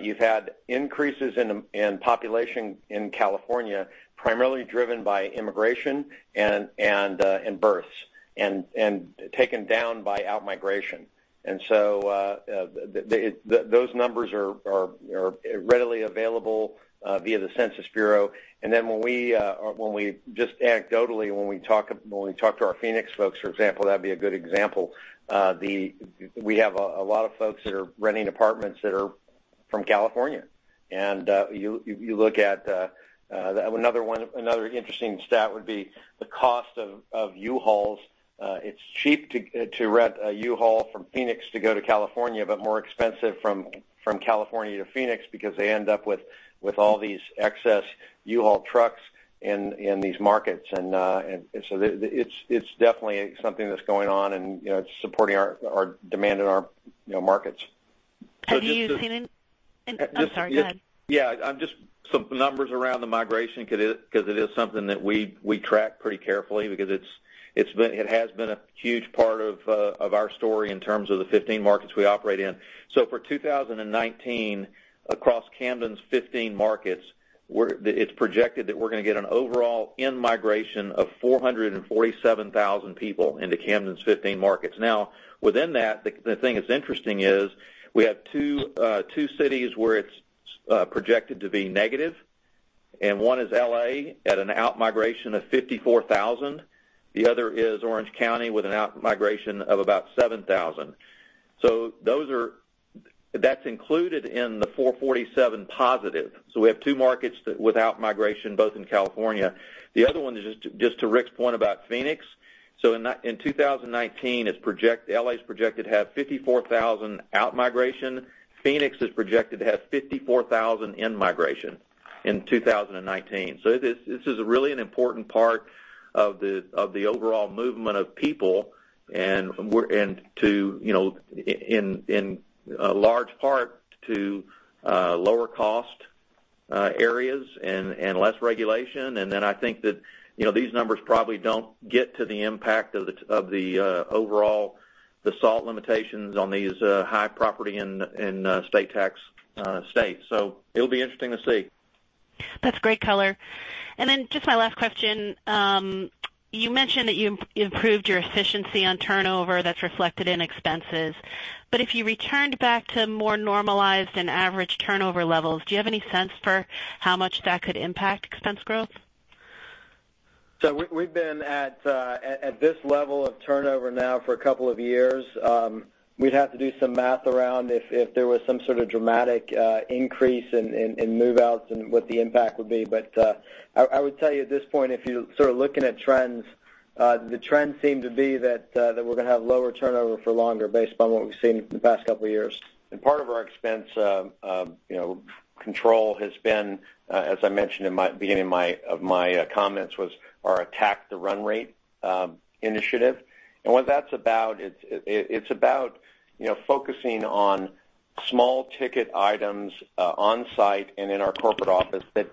You've had increases in population in California, primarily driven by immigration and births, and taken down by out-migration. Those numbers are readily available via the Census Bureau. Then just anecdotally, when we talk to our Phoenix folks, for example, that'd be a good example. We have a lot of folks that are renting apartments that are from California. You look at another interesting stat would be the cost of U-Hauls. It's cheap to rent a U-Haul from Phoenix to go to California, but more expensive from California to Phoenix because they end up with all these excess U-Haul trucks in these markets. It's definitely something that's going on, and it's supporting our demand in our markets. I'm sorry, go ahead. Yeah. Some numbers around the migration, because it is something that we track pretty carefully because it has been a huge part of our story in terms of the 15 markets we operate in. For 2019, across Camden's 15 markets, it's projected that we're going to get an overall in-migration of 447,000 people into Camden's 15 markets. Within that, the thing that's interesting is we have two cities where it's projected to be negative, and one is L.A. at an out-migration of 54,000. The other is Orange County with an out-migration of about 7,000. That's included in the 447 positive. We have two markets without migration, both in California. The other one, just to Ric's point about Phoenix. In 2019, L.A. is projected to have 54,000 out-migration. Phoenix is projected to have 54,000 in-migration in 2019. This is really an important part of the overall movement of people, in a large part to lower cost areas and less regulation. I think that these numbers probably don't get to the impact of the overall, the SALT limitations on these high property and state tax states. It'll be interesting to see. That's great color. Just my last question. You mentioned that you improved your efficiency on turnover that's reflected in expenses, but if you returned back to more normalized and average turnover levels, do you have any sense for how much that could impact expense growth? We've been at this level of turnover now for a couple of years. We'd have to do some math around if there was some sort of dramatic increase in move-outs and what the impact would be. I would tell you at this point, if you're sort of looking at trends, the trends seem to be that we're going to have lower turnover for longer based upon what we've seen the past couple of years. Part of our expense con``trol has been, as I mentioned in beginning of my comments, was our Attack the Run Rate initiative. What that's about, it's about focusing on small ticket items on-site and in our corporate office that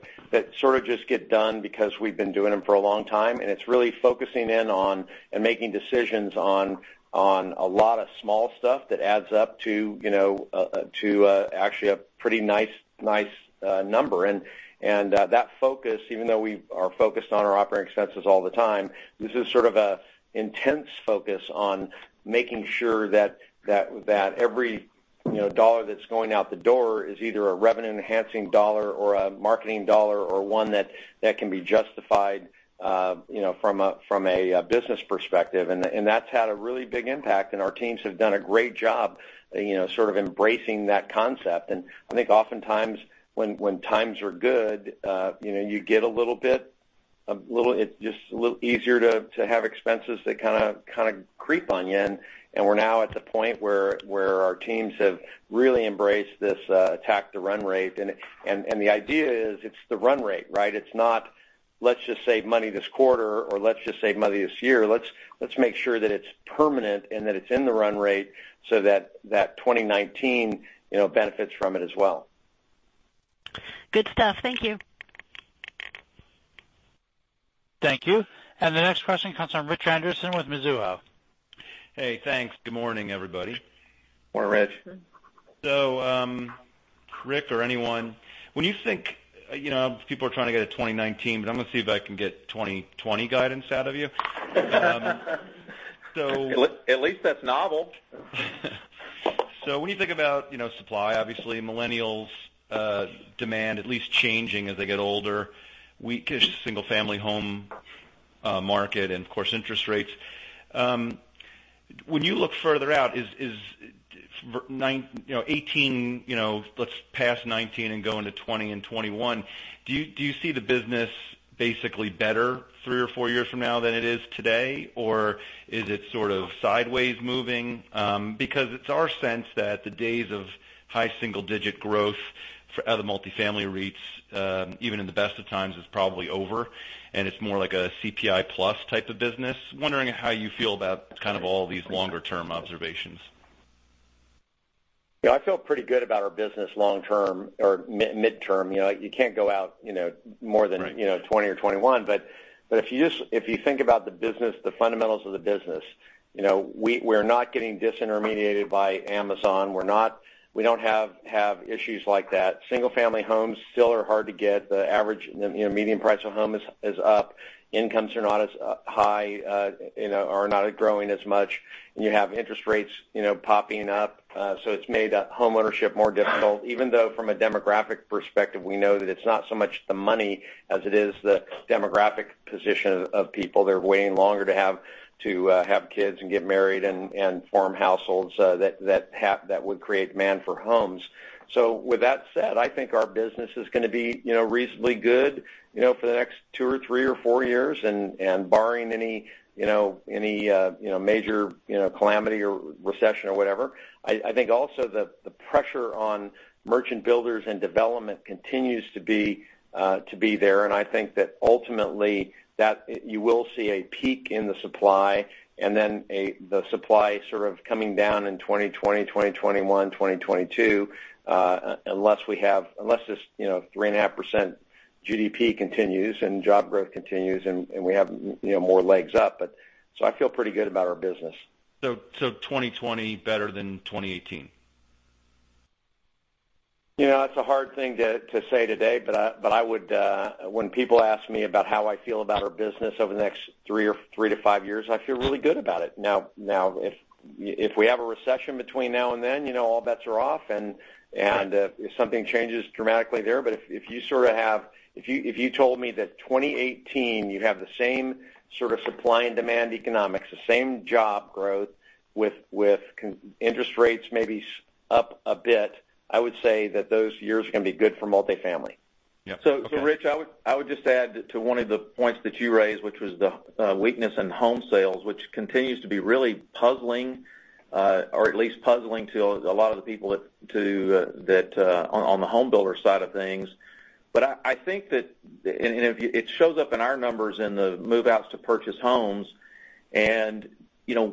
sort of just get done because we've been doing them for a long time, and it's really focusing in on, and making decisions on, a lot of small stuff that adds up to actually a pretty nice number. That focus, even though `we are focused on our operating expenses all the time, this is sort of an intense focus on making sure that every dollar that's going out the door is either a revenue-enhancing dollar or a` marketing dollar or one that can be justified from a business perspective. That's had a really big impact, and our teams have done a great job sort of embracing that concept. I think oftentimes when times are good, it's just a little easier to have expenses that kind of creep on you. We're now at the point where our teams have really embraced this Attack the Run Rate. The idea is it's the run rate, right? It's not, let's just save money this quarter, or let's just save money this year. Let's make sure that it's permanent and that it's in the run rate so that 2019 benefits from it as well. Good stuff. Thank you. Thank you. The next question comes from Rich Anderson with Mizuho. Hey, thanks. Good morning, everybody. Morning, Rich. Ric or anyone, when you think, people are trying to get a 2019, but I'm going to see if I can get 2020 guidance out of you. At least that's novel. When you think about supply, obviously millennials' demand at least changing as they get older, weak-ish single-family home market, and of course, interest rates. When you look further out, let's past 2019 and go into 2020 and 2021, do you see the business basically better three or four years from now than it is today? Or is it sort of sideways moving? Because it's our sense that the days of high single-digit growth for other multifamily REITs, even in the best of times, is probably over, and it's more like a CPI plus type of business. Wondering how you feel about kind of all these longer-term observations. Yeah, I feel pretty good about our business long-term or midterm. Right 20 or 21. If you think about the business, the fundamentals of the business, we're not getting disintermediated by Amazon. We don't have issues like that. Single-family homes still are hard to get. The average median price of home is up. Incomes are not as high, are not growing as much. You have interest rates popping up. It's made homeownership more difficult, even though from a demographic perspective, we know that it's not so much the money as it is the demographic position of people. They're waiting longer to have kids and get married and form households that would create demand for homes. With that said, I think our business is going to be reasonably good for the next two or three or four years, barring any major calamity or recession or whatever. I think also the pressure on merchant builders and development continues to be there. I think that ultimately, you will see a peak in the supply. Then the supply sort of coming down in 2020, 2021, 2022, unless this 3.5% GDP continues and job growth continues, we have more legs up. I feel pretty good about our business. 2020 better than 2018? It's a hard thing to say today. When people ask me about how I feel about our business over the next three to five years, I feel really good about it. Now, if we have a recession between now and then, all bets are off, if something changes dramatically there. If you told me that 2018, you'd have the same sort of supply and demand economics, the same job growth with interest rates maybe up a bit, I would say that those years are going to be good for multifamily. Yeah. Okay. Ric, I would just add to one of the points that you raised, which was the weakness in home sales, which continues to be really puzzling, or at least puzzling to a lot of the people on the home builder side of things. I think that it shows up in our numbers in the move-outs to purchase homes, and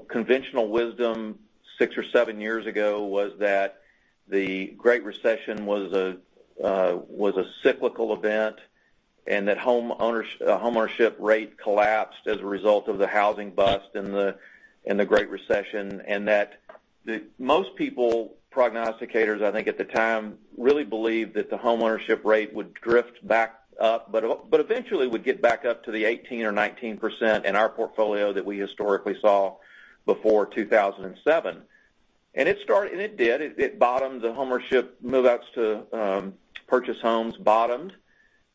conventional wisdom six or seven years ago was that the Great Recession was a cyclical event, and that homeownership rate collapsed as a result of the housing bust in the Great Recession. That most people, prognosticators, I think at the time, really believed that the homeownership rate would drift back up, eventually would get back up to the 18% or 19% in our portfolio that we historically saw before 2007. It did. It bottomed. The homeownership move-outs to purchase homes bottomed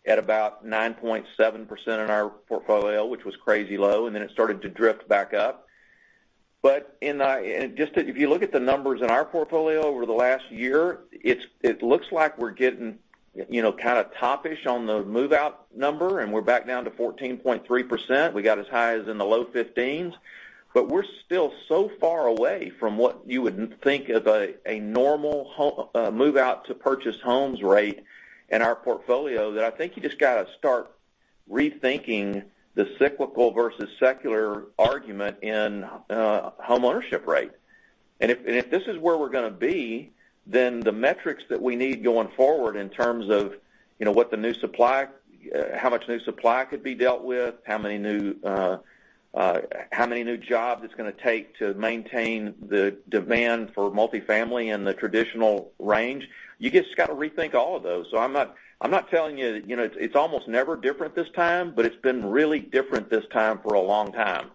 at about 9.7% in our portfolio, which was crazy low, and then it started to drift back up. If you look at the numbers in our portfolio over the last year, it looks like we're getting kind of toppish on the move-out number, and we're back down to 14.3%. We got as high as in the low 15s. We're still so far away from what you would think of a normal move-out to purchase homes rate in our portfolio that I think you just got to start- Rethinking the cyclical versus secular argument in home ownership rate. If this is where we're going to be, then the metrics that we need going forward in terms of how much new supply could be dealt with, how many new jobs it's going to take to maintain the demand for multifamily in the traditional range, you just got to rethink all of those. I'm not telling you it's almost never different this time, it's been really different this time for a long time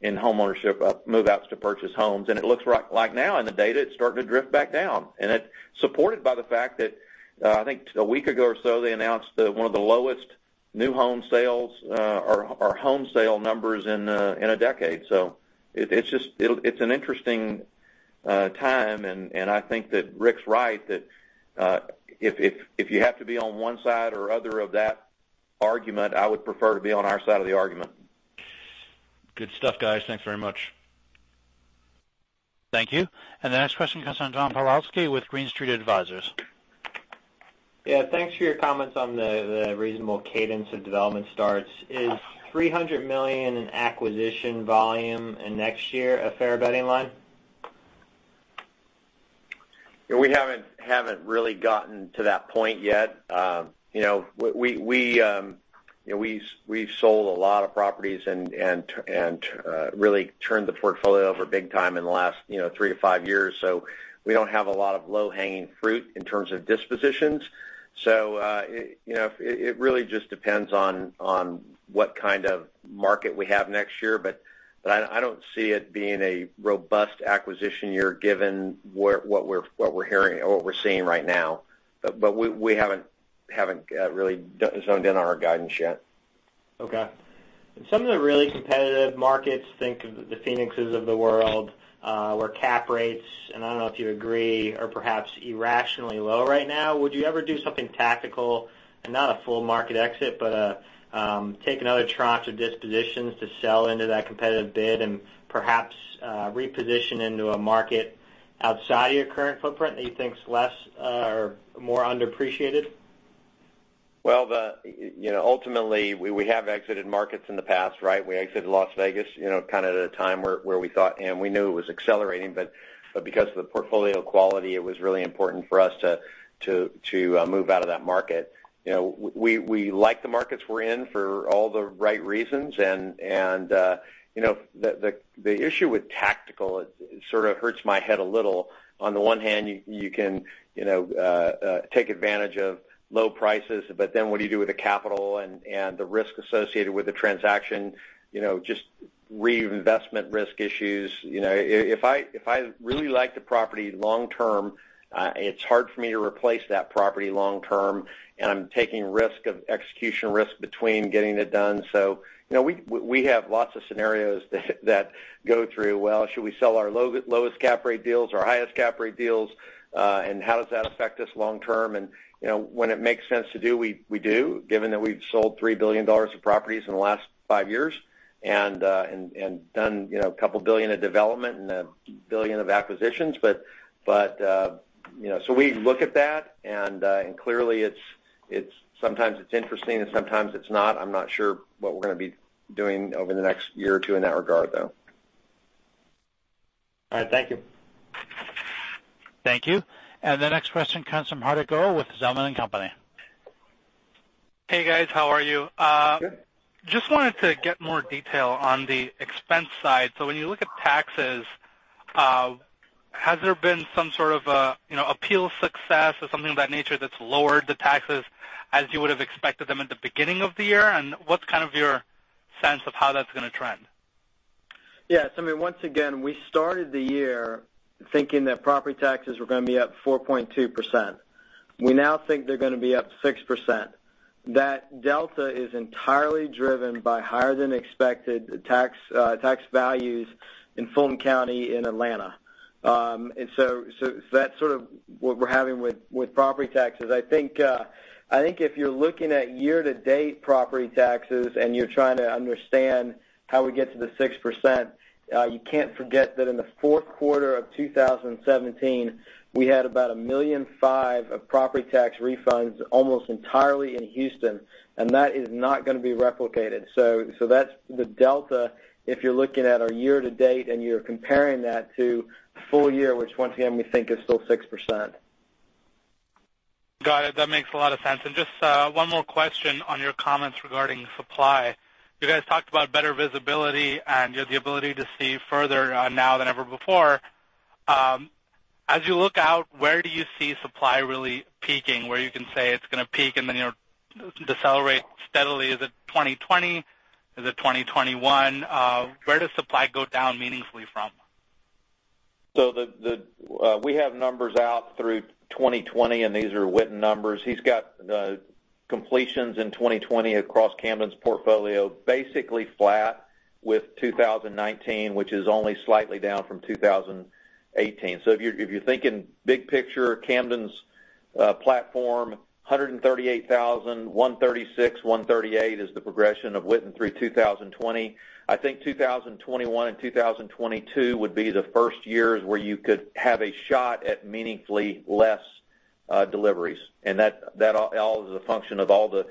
in home ownership of move-outs to purchase homes, and it looks like now in the data, it's starting to drift back down. It's supported by the fact that, I think, a week ago or so, they announced one of the lowest new home sales or home sale numbers in a decade. It's an interesting time, and I think that Ric's right that, if you have to be on one side or other of that argument, I would prefer to be on our side of the argument. Good stuff, guys. Thanks very much. Thank you. The next question comes from John Pawlowski with Green Street Advisors. Thanks for your comments on the reasonable cadence of development starts. Is $300 million in acquisition volume in next year a fair betting line? We haven't really gotten to that point yet. We've sold a lot of properties and really turned the portfolio over big time in the last 3 to 5 years. We don't have a lot of low-hanging fruit in terms of dispositions. It really just depends on what kind of market we have next year, but I don't see it being a robust acquisition year given what we're hearing or what we're seeing right now. We haven't really zoned in on our guidance yet. Okay. In some of the really competitive markets, think of the Phoenixes of the world, where cap rates, and I don't know if you agree, are perhaps irrationally low right now, would you ever do something tactical, and not a full market exit, but take another tranche of dispositions to sell into that competitive bid and perhaps reposition into a market outside of your current footprint that you think is less or more underappreciated? Well, ultimately, we have exited markets in the past. We exited Las Vegas, kind of at a time where we thought, and we knew it was accelerating, but because of the portfolio quality, it was really important for us to move out of that market. We like the markets we're in for all the right reasons, and the issue with tactical, it sort of hurts my head a little. On the one hand, you can take advantage of low prices, but then what do you do with the capital and the risk associated with the transaction? Just reinvestment risk issues. If I really like the property long-term, it's hard for me to replace that property long-term, and I'm taking risk of execution risk between getting it done. We have lots of scenarios that go through, well, should we sell our lowest cap rate deals, our highest cap rate deals? How does that affect us long-term? When it makes sense to do, we do, given that we've sold $3 billion of properties in the last 5 years and done $a couple of billion of development and $a billion of acquisitions. We look at that, and clearly, sometimes it's interesting, and sometimes it's not. I'm not sure what we're going to be doing over the next one or two years in that regard, though. All right. Thank you. Thank you. The next question comes from Hardik Gohil with Zelman & Associates. Hey, guys. How are you? Good. Just wanted to get more detail on the expense side. When you look at taxes, has there been some sort of appeal success or something of that nature that's lowered the taxes as you would've expected them at the beginning of the year? What's kind of your sense of how that's going to trend? Yeah. Once again, we started the year thinking that property taxes were going to be up 4.2%. We now think they're going to be up 6%. That delta is entirely driven by higher-than-expected tax values in Fulton County in Atlanta. That's sort of what we're having with property taxes. If you're looking at year-to-date property taxes and you're trying to understand how we get to the 6%, you can't forget that in the fourth quarter of 2017, we had about $1,000,005 of property tax refunds, almost entirely in Houston, and that is not going to be replicated. That's the delta, if you're looking at our year to date and you're comparing that to full year, which once again, we think is still 6%. Got it. That makes a lot of sense. Just one more question on your comments regarding supply. You guys talked about better visibility and you have the ability to see further now than ever before. As you look out, where do you see supply really peaking, where you can say it's going to peak and then it'll decelerate steadily? Is it 2020? Is it 2021? Where does supply go down meaningfully from? We have numbers out through 2020, and these are Witten numbers. He's got completions in 2020 across Camden's portfolio, basically flat with 2019, which is only slightly down from 2018. If you're thinking big picture, Camden's platform, 138,000, 136, 138 is the progression of Witten through 2020. I think 2021 and 2022 would be the first years where you could have a shot at meaningfully less deliveries. That all is a function of all the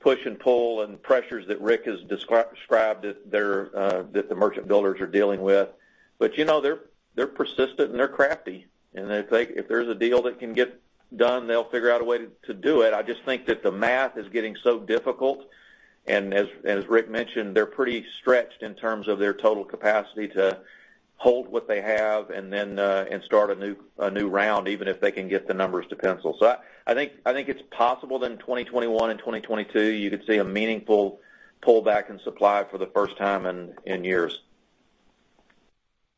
push and pull and pressures that Ric has described that the merchant builders are dealing with. They're persistent, and they're crafty, and if there's a deal that can get done, they'll figure out a way to do it. I just think that the math is getting so difficult, as Ric mentioned, they're pretty stretched in terms of their total capacity to hold what they have and start a new round, even if they can get the numbers to pencil. I think it's possible that in 2021 and 2022, you could see a meaningful pullback in supply for the first time in years.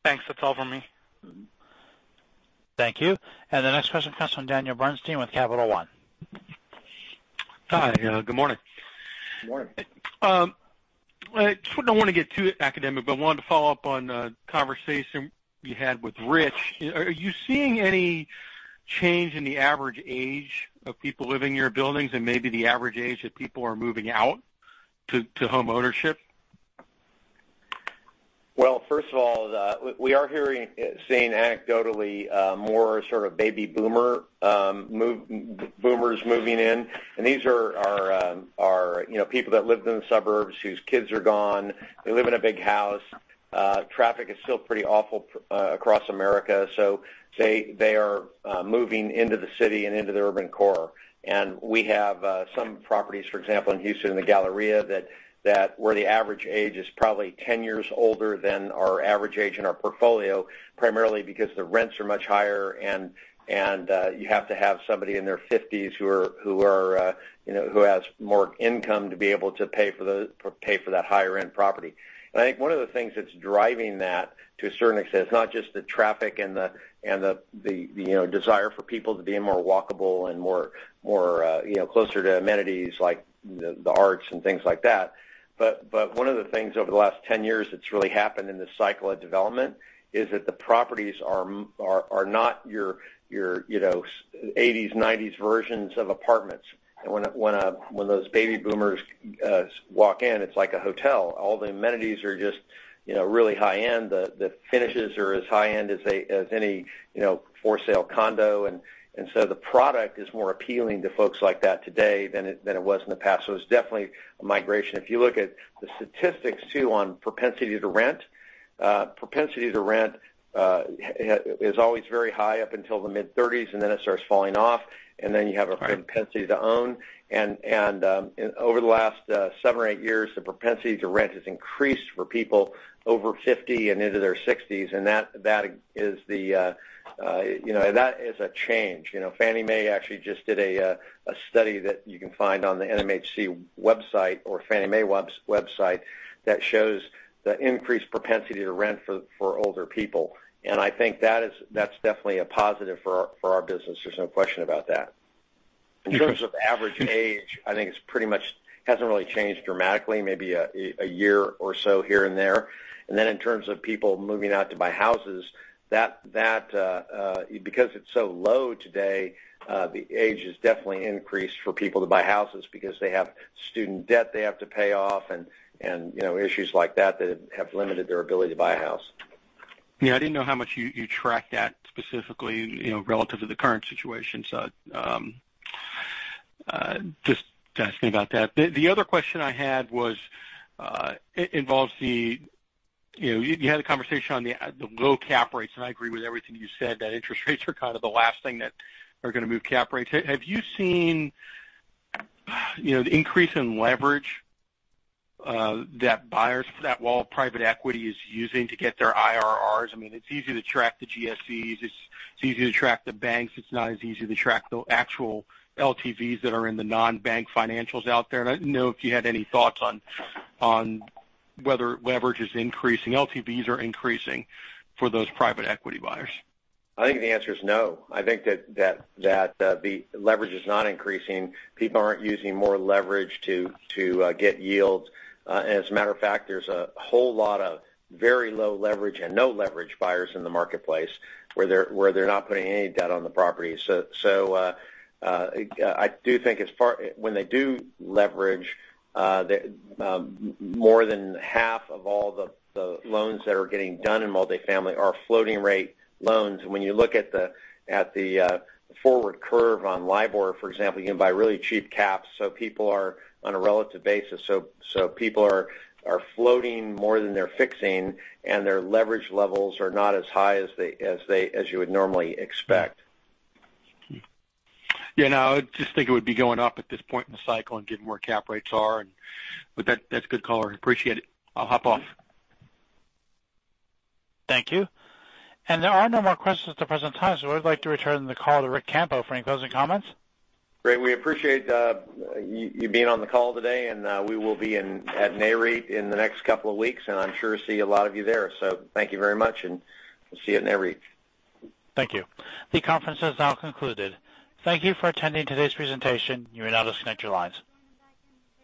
Thanks. That's all for me. Thank you. The next question comes from Daniel Bernstein with Capital One. Hi, good morning. Good morning. I don't want to get too academic, but I wanted to follow up on a conversation you had with Rich. Are you seeing any change in the average age of people living in your buildings and maybe the average age that people are moving out to homeownership? Well, first of all, we are hearing, seeing anecdotally, more sort of baby boomers moving in. These are people that lived in the suburbs whose kids are gone. They live in a big house. Traffic is still pretty awful across America, so they are moving into the city and into the urban core. We have some properties, for example, in Houston, in The Galleria, where the average age is probably 10 years older than our average age in our portfolio, primarily because the rents are much higher, and you have to have somebody in their 50s who has more income to be able to pay for that higher-rent property. I think one of the things that's driving that to a certain extent, it's not just the traffic and the desire for people to be more walkable and closer to amenities like the arts and things like that. One of the things over the last 10 years that's really happened in this cycle of development is that the properties are not your '80s, '90s versions of apartments. When those baby boomers walk in, it's like a hotel. All the amenities are just really high-end. The finishes are as high-end as any for-sale condo. The product is more appealing to folks like that today than it was in the past. It's definitely a migration. If you look at the statistics, too, on propensity to rent, propensity to rent is always very high up until the mid-30s, then it starts falling off, then you have a propensity to own. Over the last seven or eight years, the propensity to rent has increased for people over 50 and into their 60s, and that is a change. Fannie Mae actually just did a study that you can find on the NMHC website or Fannie Mae website that shows the increased propensity to rent for older people. I think that's definitely a positive for our business. There's no question about that. In terms of average age, I think it pretty much hasn't really changed dramatically, maybe a year or so here and there. In terms of people moving out to buy houses, because it's so low today, the age has definitely increased for people to buy houses because they have student debt they have to pay off, and issues like that have limited their ability to buy a house. I didn't know how much you track that specifically, relative to the current situation. Just asking about that. The other question I had. You had a conversation on the low cap rates, and I agree with everything you said, that interest rates are kind of the last thing that are going to move cap rates. Have you seen the increase in leverage that wall of private equity is using to get their IRRs? I mean, it's easy to track the GSEs. It's easy to track the banks. It's not as easy to track the actual LTVs that are in the non-bank financials out there. I didn't know if you had any thoughts on whether leverage is increasing, LTVs are increasing for those private equity buyers. I think the answer is no. I think that the leverage is not increasing. People aren't using more leverage to get yields. As a matter of fact, there's a whole lot of very low leverage and no leverage buyers in the marketplace where they're not putting any debt on the property. I do think when they do leverage, more than half of all the loans that are getting done in multifamily are floating-rate loans. When you look at the forward curve on LIBOR, for example, you can buy really cheap caps, so people are on a relative basis. People are floating more than they're fixing, and their leverage levels are not as high as you would normally expect. Yeah, no, I just think it would be going up at this point in the cycle and given where cap rates are. That's a good call. I appreciate it. I'll hop off. Thank you. There are no more questions at the present time, I'd like to return the call to Ric Campo for any closing comments. Great. We appreciate you being on the call today, and we will be at Nareit in the next couple of weeks, and I'm sure see a lot of you there. Thank you very much, and we'll see you at Nareit. Thank you. The conference is now concluded. Thank you for attending today's presentation. You may now disconnect your lines.